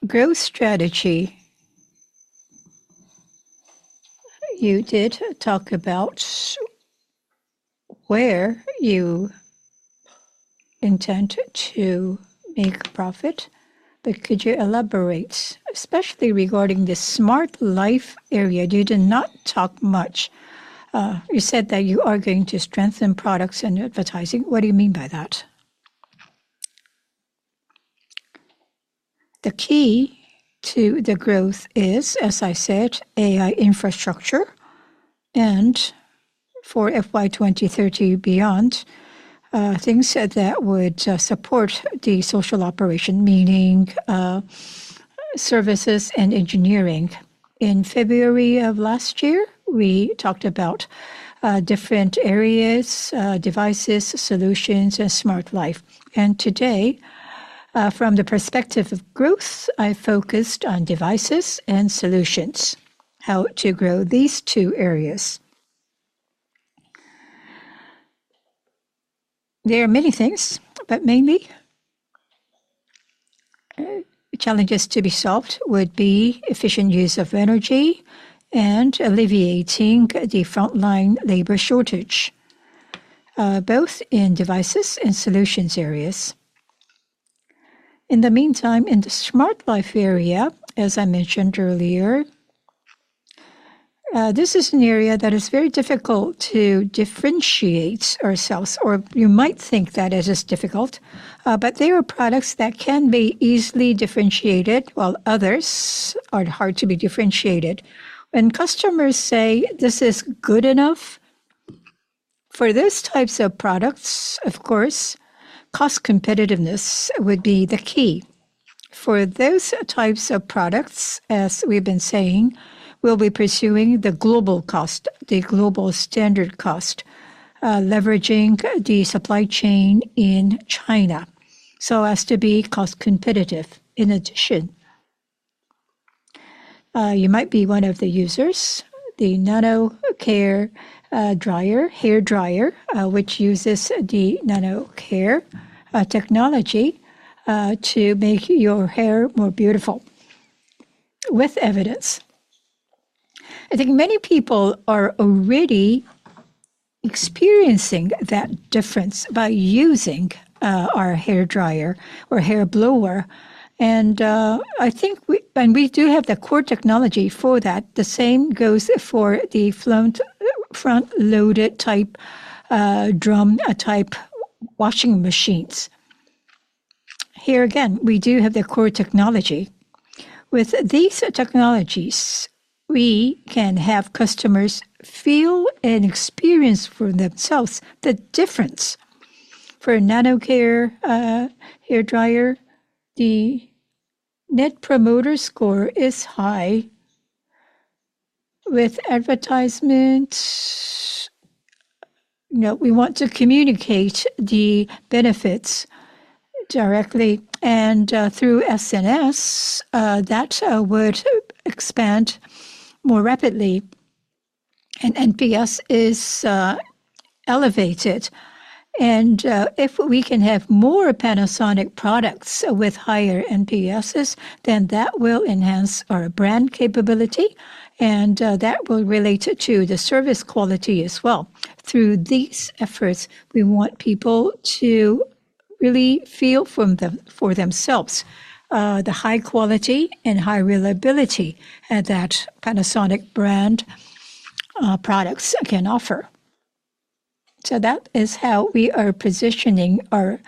growth strategy You did talk about where you intend to make profit, but could you elaborate, especially regarding the Smart Life area? You did not talk much. You said that you are going to strengthen products and advertising. What do you mean by that? The key to the growth is, as I said, AI infrastructure and for FY 2030 beyond, things that would support the social operation, meaning, services and engineering. In February of last year, we talked about different areas, devices, solutions, and Smart Life. Today, from the perspective of growth, I focused on devices and solutions, how to grow these two areas. There are many things, but mainly, challenges to be solved would be efficient use of energy and alleviating the frontline labor shortage, both in devices and solutions areas. In the meantime, in the Smart Life area, as I mentioned earlier, this is an area that is very difficult to differentiate ourselves or you might think that it is difficult. There are products that can be easily differentiated while others are hard to be differentiated. When customers say this is good enough, for those types of products, of course, cost competitiveness would be the key. For those types of products, as we've been saying, we'll be pursuing the global cost, the global standard cost, leveraging the supply chain in China so as to be cost competitive in addition. You might be one of the users, the nanoe dryer, hair dryer, which uses the nanoe technology, to make your hair more beautiful with evidence. I think many people are already experiencing that difference by using our hair dryer or hair blower. We do have the core technology for that. The same goes for the front loaded type drum type washing machines. Here again, we do have the core technology. With these technologies, we can have customers feel and experience for themselves the difference. For nanoe hair dryer, the net promoter score is high. With advertisement, you know, we want to communicate the benefits directly and through SNS, that would expand more rapidly and NPS is elevated. If we can have more Panasonic products with higher NPSs, then that will enhance our brand capability and that will relate it to the service quality as well. Through these efforts, we want people to really feel for themselves, the high quality and high reliability that Panasonic brand products can offer. That is how we are positioning our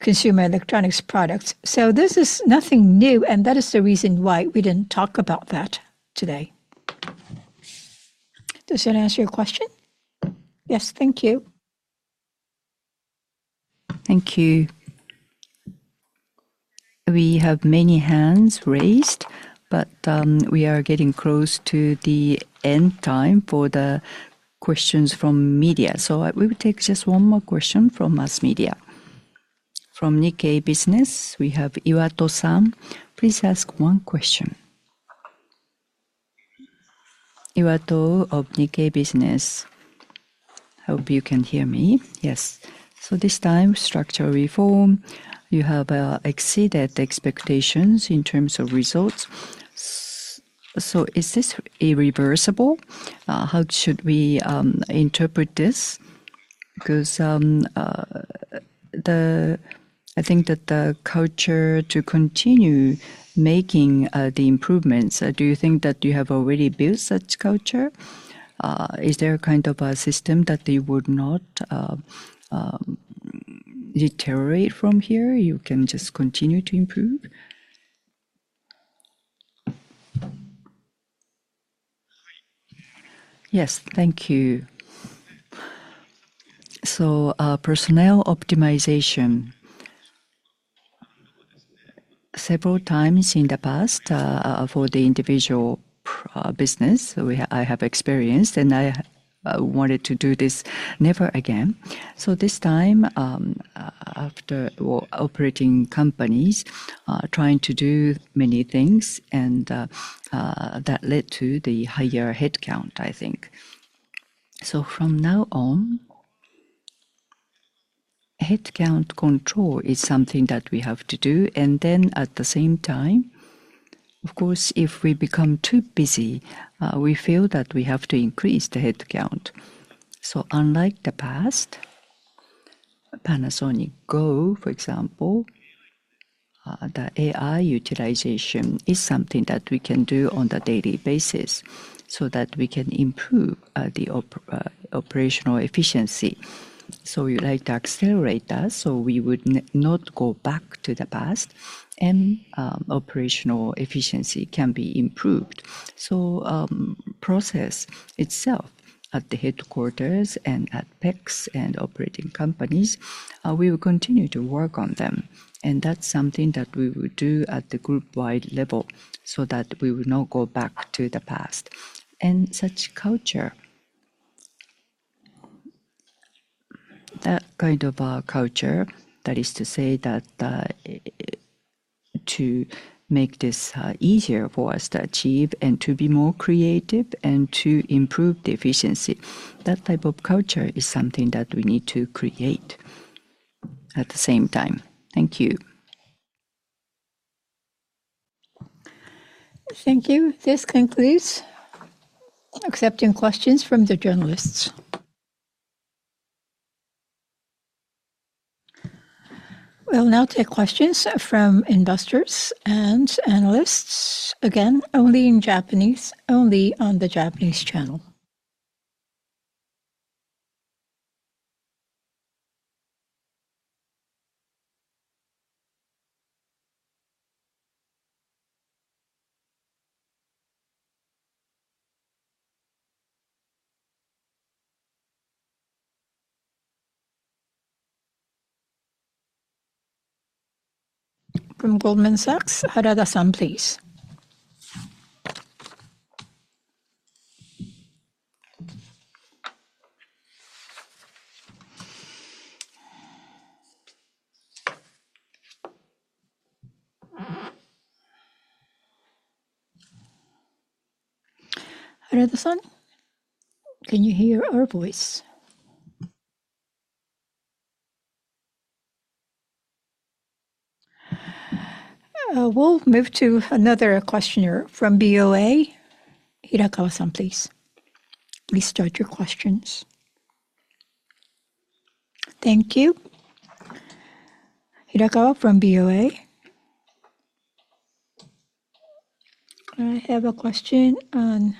consumer electronics products. This is nothing new, and that is the reason why we didn't talk about that today. Does that answer your question? Yes. Thank you. Thank you. We have many hands raised, but we are getting close to the end time for the questions from media. We will take just one more question from mass media. From Nikkei Business, we have Iwato-san. Please ask one question. Iwato of Nikkei Business. Hope you can hear me. Yes. This time, structural reform, you have exceeded the expectations in terms of results. So is this irreversible? How should we interpret this? 'Cause I think that the culture to continue making the improvements, do you think that you have already built such culture? Is there a kind of a system that they would not deteriorate from here? You can just continue to improve? Yes. Thank you. Personnel optimization. Several times in the past, for the individual business, I have experienced, and I wanted to do this never again. This time, after, well, operating companies, trying to do many things and, that led to the higher headcount, I think. Headcount control is something that we have to do. At the same time, of course, if we become too busy, we feel that we have to increase the headcount. Unlike the past, Panasonic Group, for example, the AI utilization is something that we can do on the daily basis so that we can improve operational efficiency. We like to accelerate that. We would not go back to the past, and operational efficiency can be improved. Process itself at the headquarters and at PEC and operating companies, we will continue to work on them. That's something that we will do at the group-wide level so that we will not go back to the past. That kind of culture, that is to say that, to make this easier for us to achieve and to be more creative and to improve the efficiency, that type of culture is something that we need to create at the same time. Thank you. Thank you. This concludes accepting questions from the journalists. We'll now take questions from investors and analysts. Again, only in Japanese, only on the Japanese channel. From Goldman Sachs, Harada-san, please. Harada-san, can you hear our voice? We'll move to another questioner. From BofA, Hirakawa-san, please. Please start your questions. Thank you. Hirakawa from BofA. I have a question on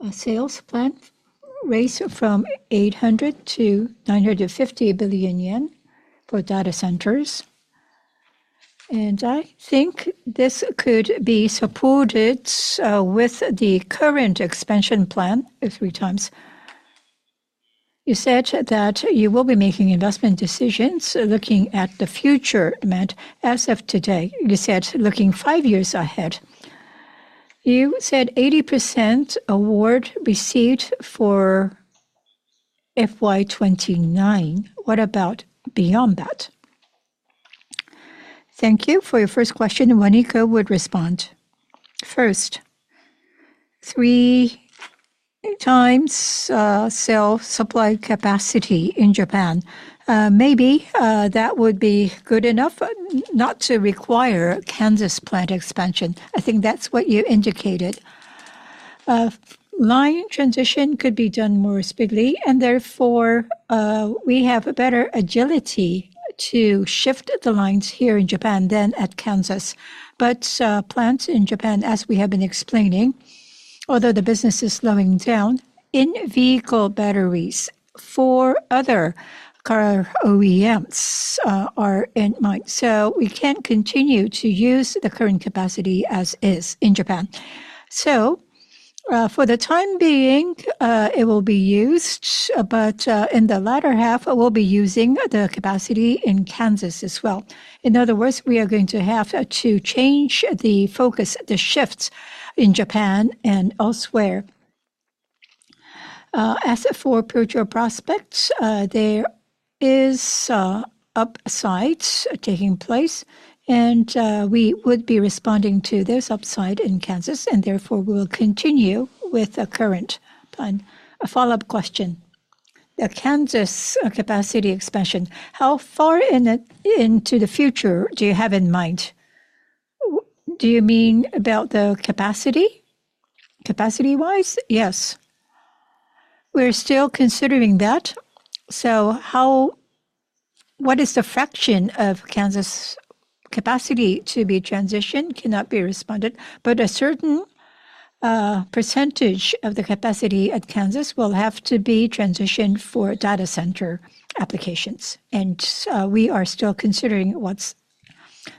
a sales plan raised from 800 billion-950 billion yen for data centers. I think this could be supported with the current expansion plan 3 times. You said that you will be making investment decisions looking at the future demand as of today. You said looking 5 years ahead. You said 80% award received for FY 2029. What about beyond that? Thank you. For your first question, Waniko would respond. First, three times cell supply capacity in Japan. Maybe that would be good enough not to require Kansas plant expansion. I think that's what you indicated. Line transition could be done more speedily, and therefore, we have a better agility to shift the lines here in Japan than at Kansas. Plants in Japan, as we have been explaining, although the business is slowing down in vehicle batteries for other car OEMs, are in mind. We can't continue to use the current capacity as is in Japan. For the time being, it will be used, but in the latter half, we'll be using the capacity in Kansas as well. In other words, we are going to have to change the focus, the shift in Japan and elsewhere. As for future prospects, there is a upside taking place, and we would be responding to this upside in Kansas and therefore we'll continue with the current plan. A follow-up question. The Kansas capacity expansion, how far into the future do you have in mind? Do you mean about the capacity? Capacity-wise? Yes. We're still considering that. What is the fraction of Kansas capacity to be transitioned cannot be responded, but a certain percentage of the capacity at Kansas will have to be transitioned for data center applications. We are still considering what's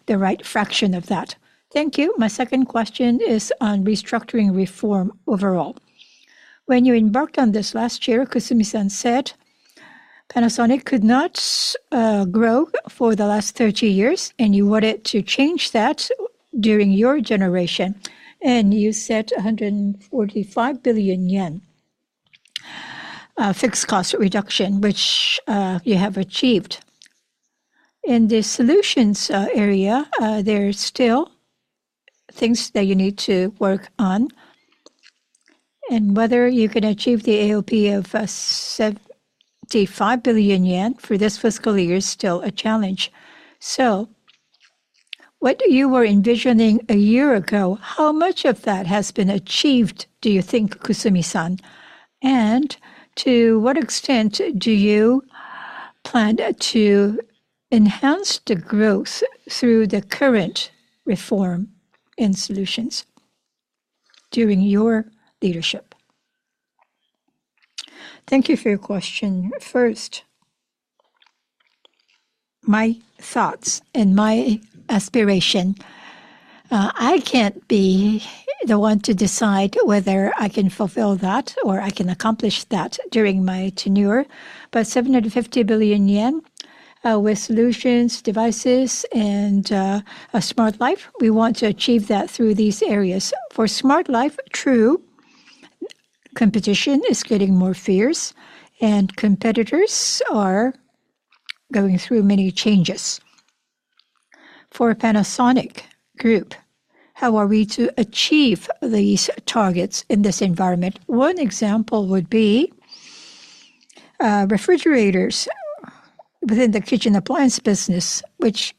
the right fraction of that. Thank you. My second question is on restructuring reform overall. When you embarked on this last year, Kusumi-san said Panasonic could not grow for the last 30 years, and you wanted to change that during your generation, and you set a 145 billion yen fixed cost reduction, which you have achieved. In the solutions area, there's still things that you need to work on, and whether you can achieve the AOP of 75 billion yen for this fiscal year is still a challenge. What you were envisioning a year ago, how much of that has been achieved, do you think, Kusumi-san? To what extent do you plan to enhance the growth through the current reform in solutions during your leadership? Thank you for your question. First, my thoughts and my aspiration. I can't be the one to decide whether I can fulfill that or I can accomplish that during my tenure. 750 billion yen, with solutions, devices, and Smart Life, we want to achieve that through these areas. For Smart Life, true competition is getting more fierce, and competitors are going through many changes. For Panasonic Group, how are we to achieve these targets in this environment? One example would be refrigerators within the kitchen appliance business, which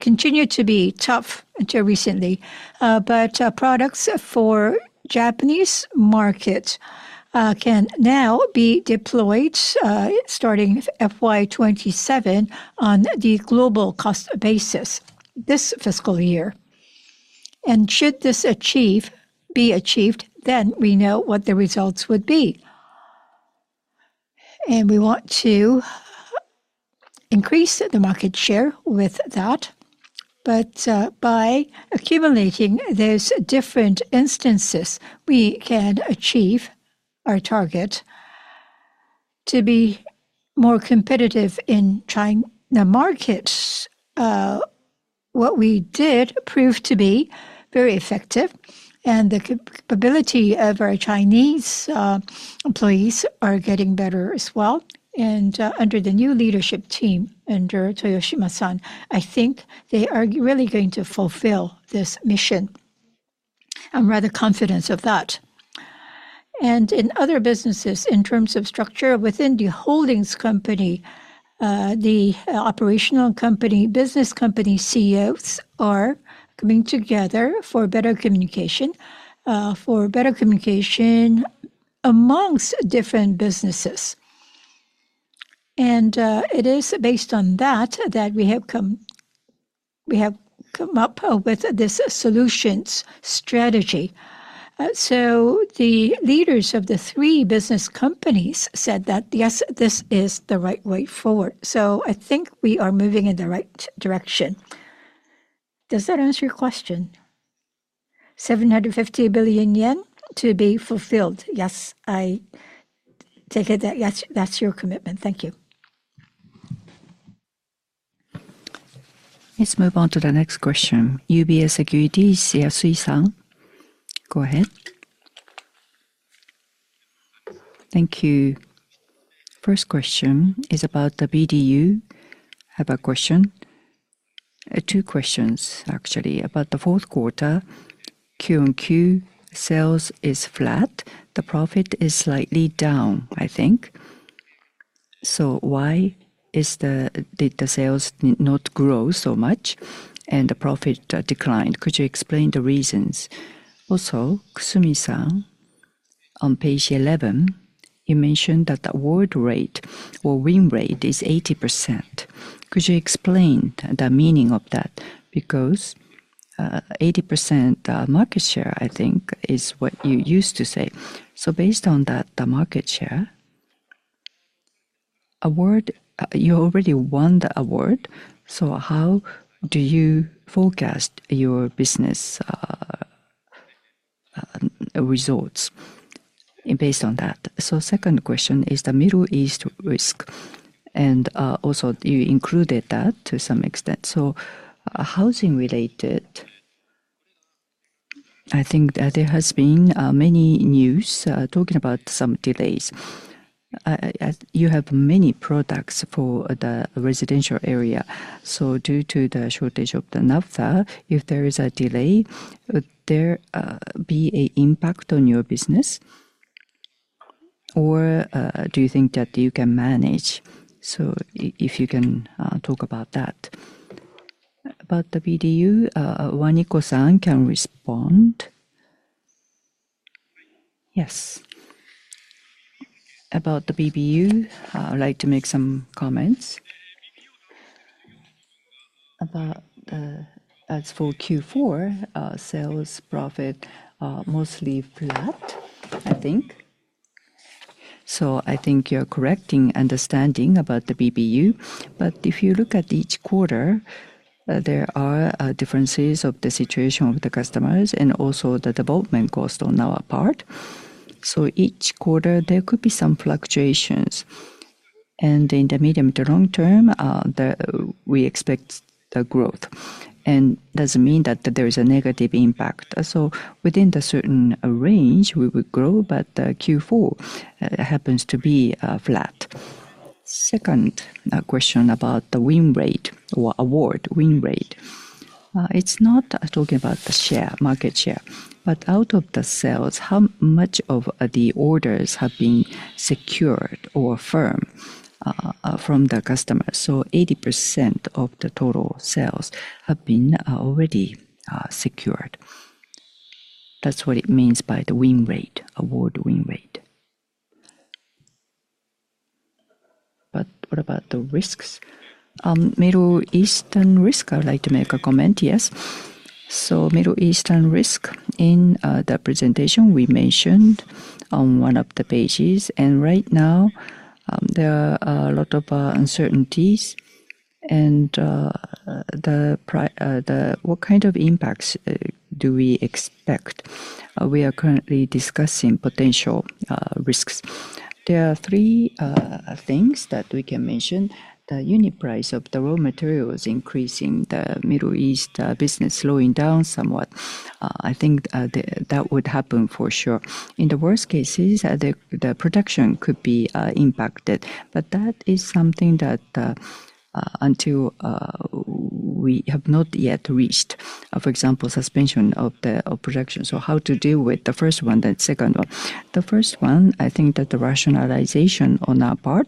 continued to be tough until recently. Products for Japanese market can now be deployed, starting FY 2027 on the global cost basis this fiscal year. Should this be achieved, then we know what the results would be. We want to increase the market share with that. By accumulating those different instances, we can achieve our target to be more competitive in Chinese markets. What we did proved to be very effective, and the capability of our Chinese employees are getting better as well. Under the new leadership team, under Toyoshima-san, I think they are really going to fulfill this mission. I am rather confident of that. In other businesses, in terms of structure within the Holdings company, the operational company, business company CEOs are coming together for better communication, for better communication amongst different businesses. It is based on that we have come up with this solutions strategy. So the leaders of the three business companies said that, "Yes, this is the right way forward." I think we are moving in the right direction. Does that answer your question? 750 billion yen to be fulfilled. Yes, I take it that, yes, that's your commitment. Thank you. Let's move on to the next question. UBS Securities, Yasui-san. Go ahead. Thank you. First question is about the BDU. I have a question. Two questions, actually, about the fourth quarter. Q on Q sales is flat. The profit is slightly down, I think. Why did the sales not grow so much and the profit declined? Could you explain the reasons? Also, Kusumi-san, on page 11, you mentioned that the award rate or win rate is 80%. Could you explain the meaning of that? Because 80% market share, I think, is what you used to say. Based on that, the market share award, you already won the award, so how do you forecast your business results based on that? Second question is the Middle East risk, and also you included that to some extent. Housing related, I think that there has been many news talking about some delays. You have many products for the residential area. Due to the shortage of the naphtha, if there is a delay, would there be a impact on your business? Do you think that you can manage? If you can talk about that. About the BDU, Waniko-san can respond. Yes. About the BBU, I would like to make some comments. As for Q4, sales profit are mostly flat, I think. I think your correct understanding about the BBU. If you look at each quarter, there are differences of the situation of the customers and also the development cost on our part. Each quarter, there could be some fluctuations. In the medium to long term, we expect the growth. It doesn't mean that there is a negative impact. Within the certain range, we would grow, but Q4 happens to be flat. Second question about the win rate or award win rate. It's not talking about the share, market share, but out of the sales, how much of the orders have been secured or firm from the customer. 80% of the total sales have been already secured. That's what it means by the win rate, award win rate. What about the risks? Middle Eastern risk, I would like to make a comment. Yes. Middle Eastern risk in the presentation we mentioned on one of the pages. Right now, there are a lot of uncertainties and what kind of impacts do we expect? We are currently discussing potential risks. There are 3 things that we can mention. The unit price of the raw materials increasing, the Middle East business slowing down somewhat. I think that would happen for sure. In the worst cases, the production could be impacted. That is something that, until, we have not yet reached, for example, suspension of production. How to deal with the first one, then second one. The first one, I think that the rationalization on our part,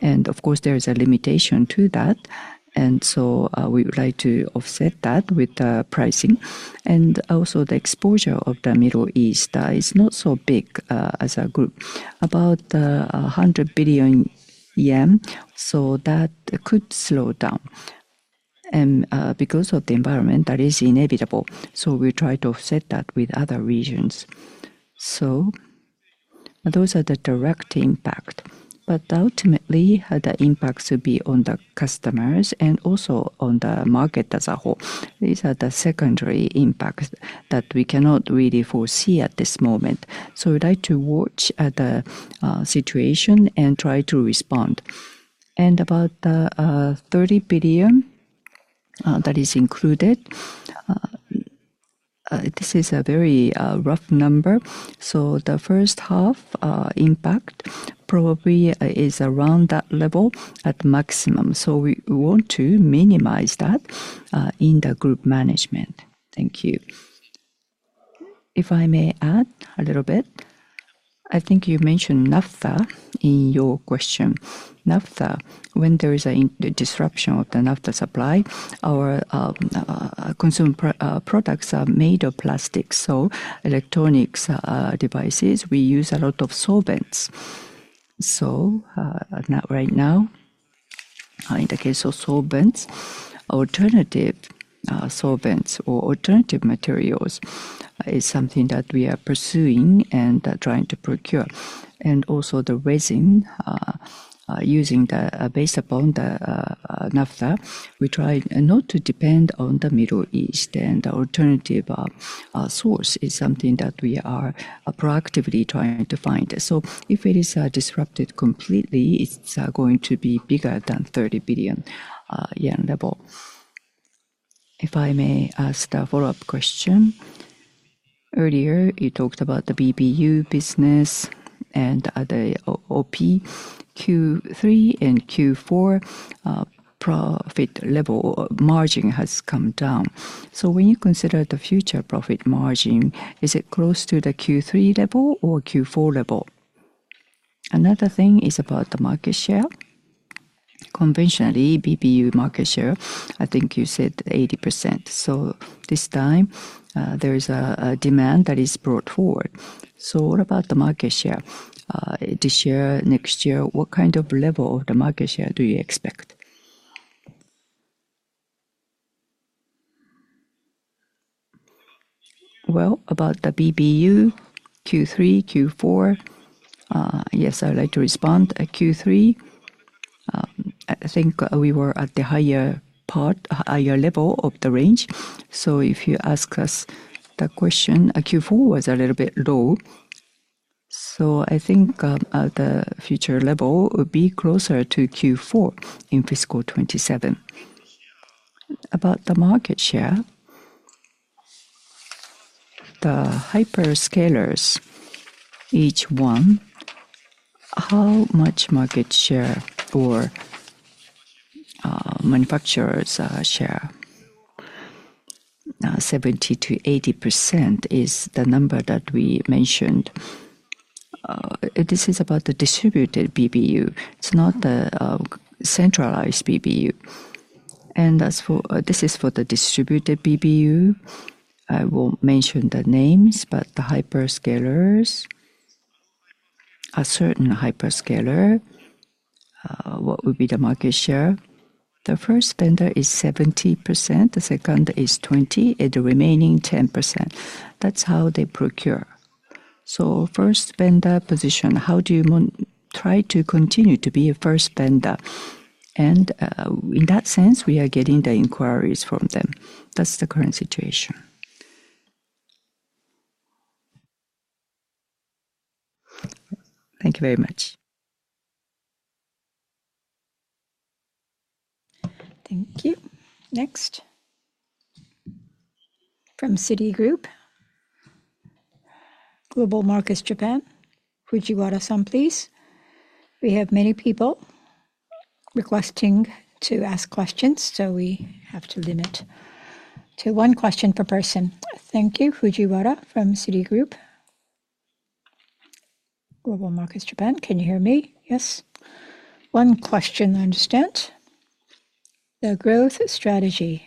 and of course, there is a limitation to that. So, we would like to offset that with pricing. Also, the exposure of the Middle East is not so big as a group. About 100 billion yen, so that could slow down. Because of the environment, that is inevitable. We try to offset that with other regions. Those are the direct impact. Ultimately, the impacts will be on the customers and also on the market as a whole. These are the secondary impacts that we cannot really foresee at this moment. We'd like to watch the situation and try to respond. About 30 billion that is included. This is a very rough number. The first half impact probably is around that level at maximum. We want to minimize that in the group management. Thank you. If I may add a little bit. I think you mentioned naphtha in your question. Naphtha, when there is the disruption of the naphtha supply, our consumer products are made of plastic. Electronics devices, we use a lot of solvents. Now, right now, in the case of solvents, alternative solvents or alternative materials is something that we are pursuing and trying to procure. The resin, using the, based upon the naphtha, we try not to depend on the Middle East and alternative source is something that we are proactively trying to find. If it is disrupted completely, it's going to be bigger than 30 billion yen level. If I may ask the follow-up question. Earlier, you talked about the BBU business and the OPQ 3 and Q4 profit level margin has come down. When you consider the future profit margin, is it close to the Q3 level or Q4 level? Another thing is about the market share. Conventionally, BBU market share, I think you said 80%. This time, there is a demand that is brought forward. What about the market share? This year, next year, what kind of level of the market share do you expect? About the BBU Q3, Q4, yes, I would like to respond. At Q3, I think we were at the higher level of the range. If you ask us the question, Q4 was a little bit low. I think the future level will be closer to Q4 in FY 2027. About the market share, the hyperscalers, each one, how much market share or manufacturers share? 70%-80% is the number that we mentioned. This is about the distributed BBU. It's not the centralized BBU. This is for the distributed BBU. I won't mention the names, but the hyperscalers, a certain hyperscaler, what would be the market share? The first vendor is 70%, the second is 20%, and the remaining 10%. That's how they procure. First vendor position, how do you try to continue to be a first vendor? In that sense, we are getting the inquiries from them. That's the current situation. Thank you very much. Thank you. Next. From Citigroup Global Markets Japan, Fujiwara-san, please. We have many people requesting to ask questions, so we have to limit to one question per person. Thank you. Fujiwara from Citigroup Global Markets Japan. Can you hear me? Yes. One question, I understand. The growth strategy.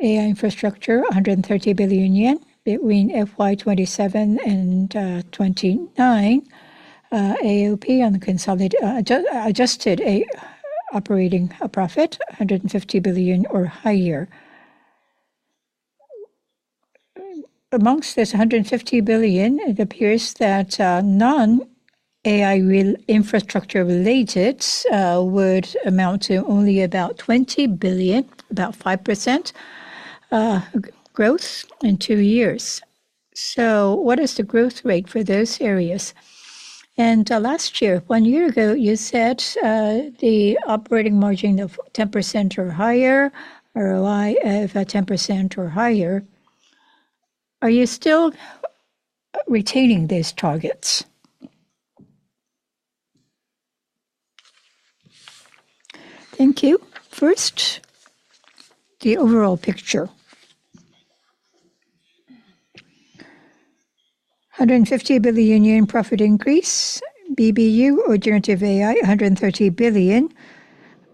AI infrastructure, 130 billion yen between FY 2027 and 2029. AOP on the adjusted operating profit, 150 billion or higher. Amongst this 150 billion, it appears that non-AI infrastructure related would amount to only about 20 billion, about 5% growth in 2 years. What is the growth rate for those areas? Last year, 1 year ago, you said the operating margin of 10% or higher, ROI of 10% or higher. Are you still retaining these targets? Thank you. First, the overall picture. 150 billion yen profit increase, BBU or generative AI, 130 billion.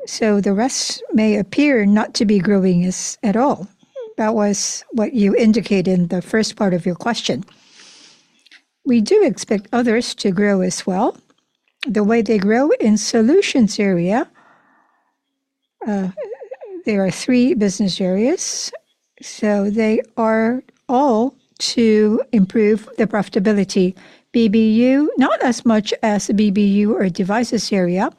The rest may appear not to be growing at all. That was what you indicated in the first part of your question. We do expect others to grow as well. The way they grow in solutions area, there are 3 business areas, so they are all to improve the profitability. BBU, not as much as BBU or devices area,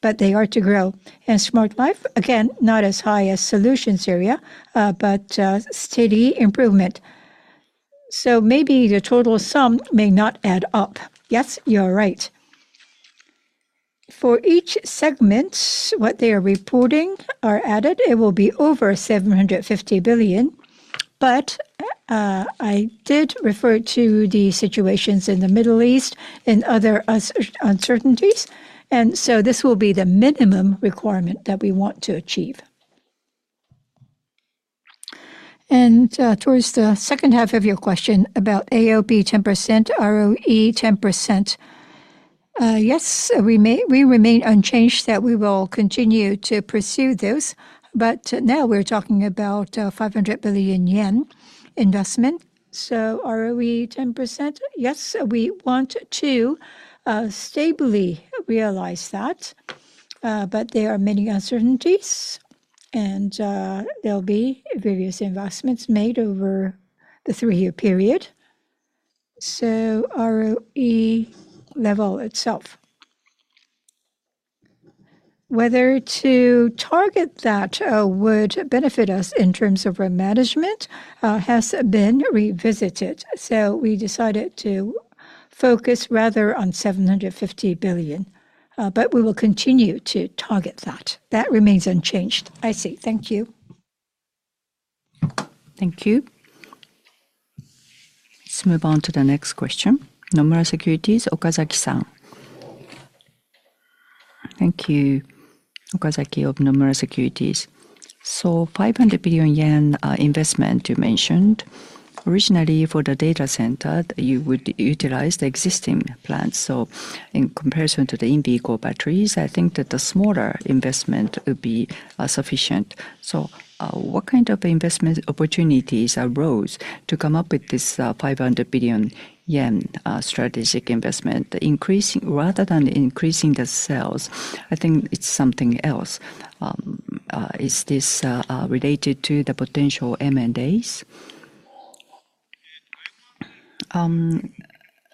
but they are to grow. Smart Life, again, not as high as solutions area, but steady improvement. Maybe the total sum may not add up. Yes, you're right. For each segment, what they are reporting are added, it will be over 750 billion. I did refer to the situations in the Middle East and other uncertainties, and so this will be the minimum requirement that we want to achieve. Towards the second half of your question about AOP 10%, ROE 10%. Yes, we remain unchanged that we will continue to pursue those. Now we're talking about 500 billion yen investment. ROE 10%, yes, we want to stably realize that. There are many uncertainties, and there'll be various investments made over the 3-year period. ROE level itself, whether to target that would benefit us in terms of risk management has been revisited. We decided to focus rather on 750 billion. We will continue to target that. That remains unchanged. I see. Thank you. Thank you. Let's move on to the next question. Nomura Securities, Okazaki-san. Thank you. Okazaki of Nomura Securities. 500 billion yen investment you mentioned. Originally, for the data center, you would utilize the existing plants. In comparison to the in-vehicle batteries, I think that the smaller investment would be sufficient. What kind of investment opportunities arose to come up with this 500 billion yen strategic investment? Rather than increasing the sales, I think it's something else. Is this related to the potential M&As?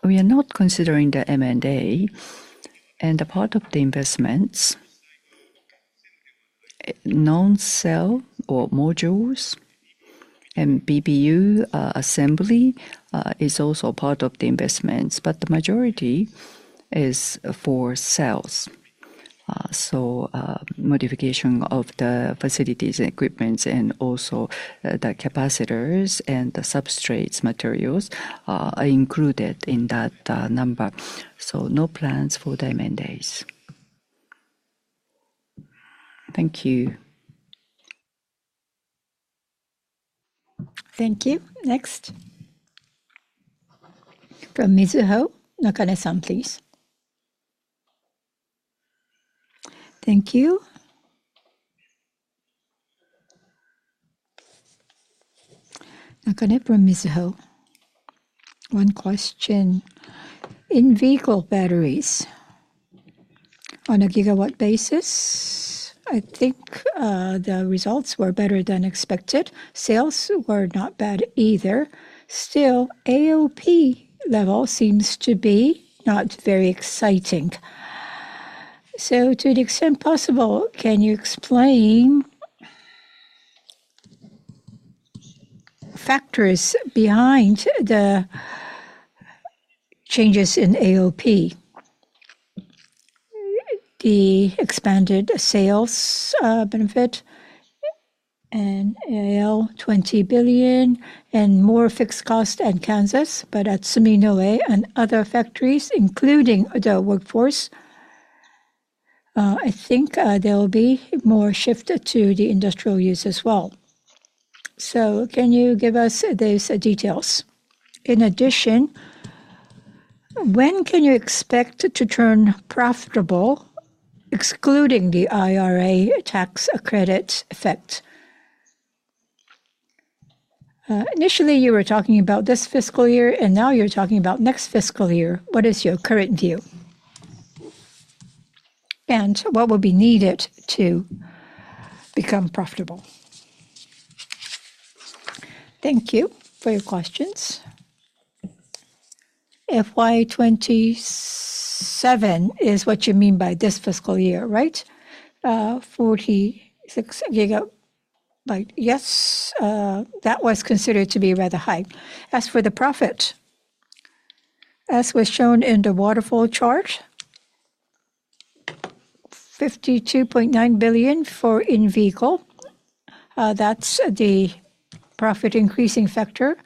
We are not considering the M&A. A part of the investments, non-cell or modules and BBU assembly, is also part of the investments. The majority is for cells. Modification of the facilities and equipments and also, the capacitors and the substrates materials are included in that number. No plans for the M&As. Thank you. Thank you. Next. From Mizuho, Yasuo Nakane, please. Thank you. Nakane from Mizuho. One question. In-vehicle batteries on a gigawatt basis, I think the results were better than expected. Sales were not bad either. AOP level seems to be not very exciting. To the extent possible, can you explain factors behind the changes in AOP. The expanded sales benefit and 20 billion and more fixed cost at Kansas, at Suminoe and other factories, including auto workforce, they'll be more shifted to the industrial use as well. Can you give us those details? In addition, when can you expect to turn profitable excluding the IRA tax credit effect? Initially, you were talking about this fiscal year, and now you're talking about next fiscal year. What is your current view? What would be needed to become profitable? Thank you for your questions. FY 2027 is what you mean by this fiscal year, right? 46 gigawatt, yes, that was considered to be rather high. As for the profit, as was shown in the waterfall chart, JPY 52.9 billion for in-vehicle. That's the profit increasing factor.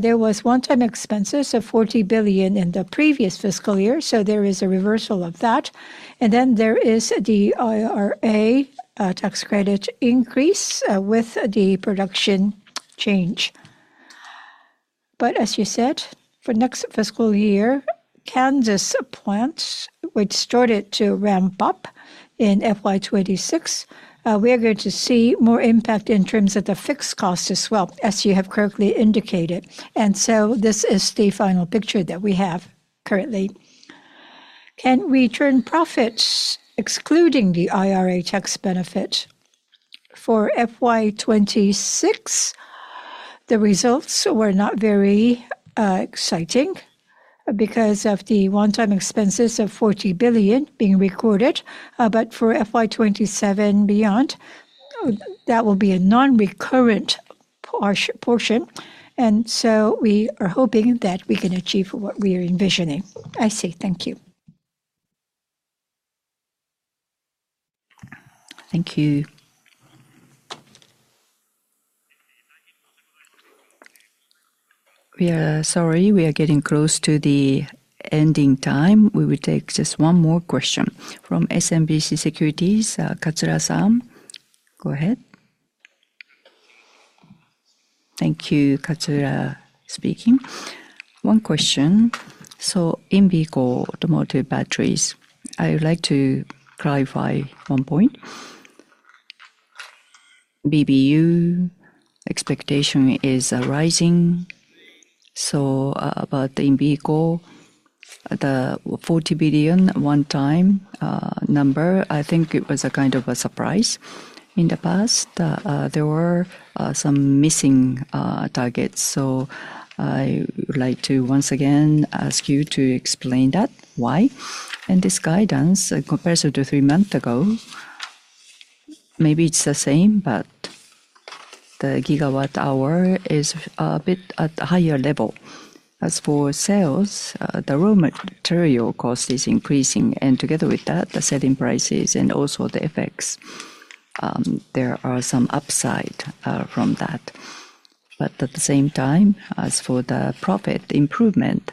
There was one-time expenses of 40 billion in the previous fiscal year, so there is a reversal of that. There is the IRA tax credit increase with the production change. As you said, for next fiscal year, Kansas plants which started to ramp up in FY 2026, we are going to see more impact in terms of the fixed cost as well, as you have correctly indicated. This is the final picture that we have currently. Can we turn profits excluding the IRA tax benefit? For FY 2026, the results were not very exciting because of the one-time expenses of 40 billion being recorded. For FY 2027 beyond, that will be a non-recurrent portion. We are hoping that we can achieve what we are envisioning. I see. Thank you. Thank you. We are sorry, we are getting close to the ending time. We will take just one more question from SMBC Securities, Katsura-san. Go ahead. Thank you. Katsura speaking. One question. In-vehicle automotive batteries, I would like to clarify one point. BBU expectation is rising. About the in-vehicle, the 40 billion one-time number, I think it was a kind of a surprise. In the past, there were some missing targets. I would like to once again ask you to explain that. Why? This guidance compared to three months ago, maybe it's the same. The gigawatt hour is a bit at higher level. As for sales, the raw material cost is increasing. Together with that, the selling prices and also the FX, there are some upside from that. At the same time, as for the profit improvement,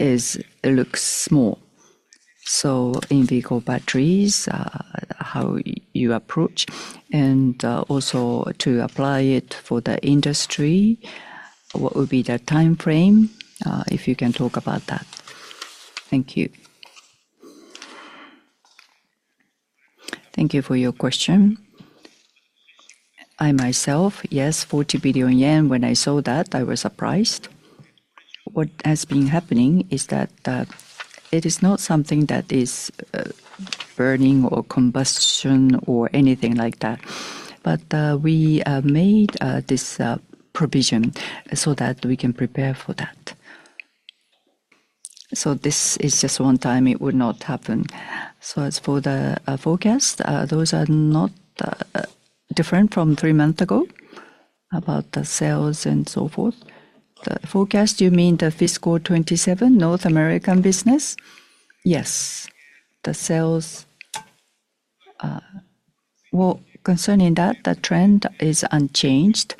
it looks small. In-vehicle batteries, how you approach and also to apply it for the industry, what would be the timeframe, if you can talk about that? Thank you. Thank you for your question. I myself, yes, 40 billion yen, when I saw that, I was surprised. What has been happening is that it is not something that is burning or combustion or anything like that. We made this provision so that we can prepare for that. This is just one time. It would not happen. As for the forecast, those are not different from 3 months ago about the sales and so forth. The forecast, you mean the FY 2027 North American business? Yes. Well, concerning that, the trend is unchanged.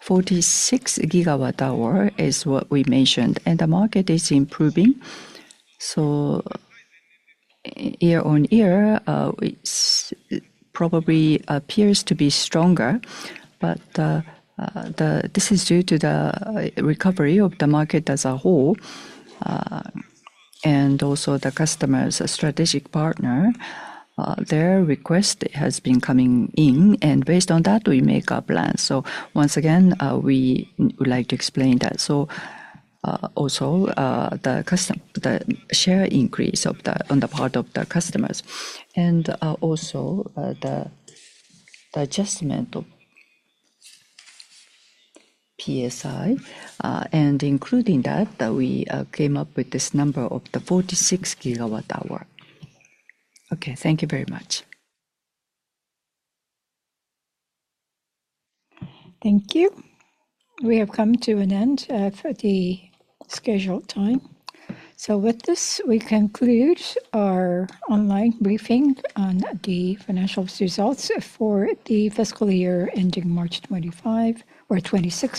46 gigawatt hour is what we mentioned. The market is improving. Year on year, it probably appears to be stronger, but this is due to the recovery of the market as a whole, and also the customer as a strategic partner. Their request has been coming in. Based on that, we make our plans. Once again, we would like to explain that. Also, the share increase on the part of the customers, and also the adjustment of PSI, and including that we came up with this number of the 46 gigawatt hour. Okay, thank you very much. Thank you. We have come to an end for the scheduled time. With this, we conclude our online briefing on the financial results for the fiscal year ending March 2025 or 2026.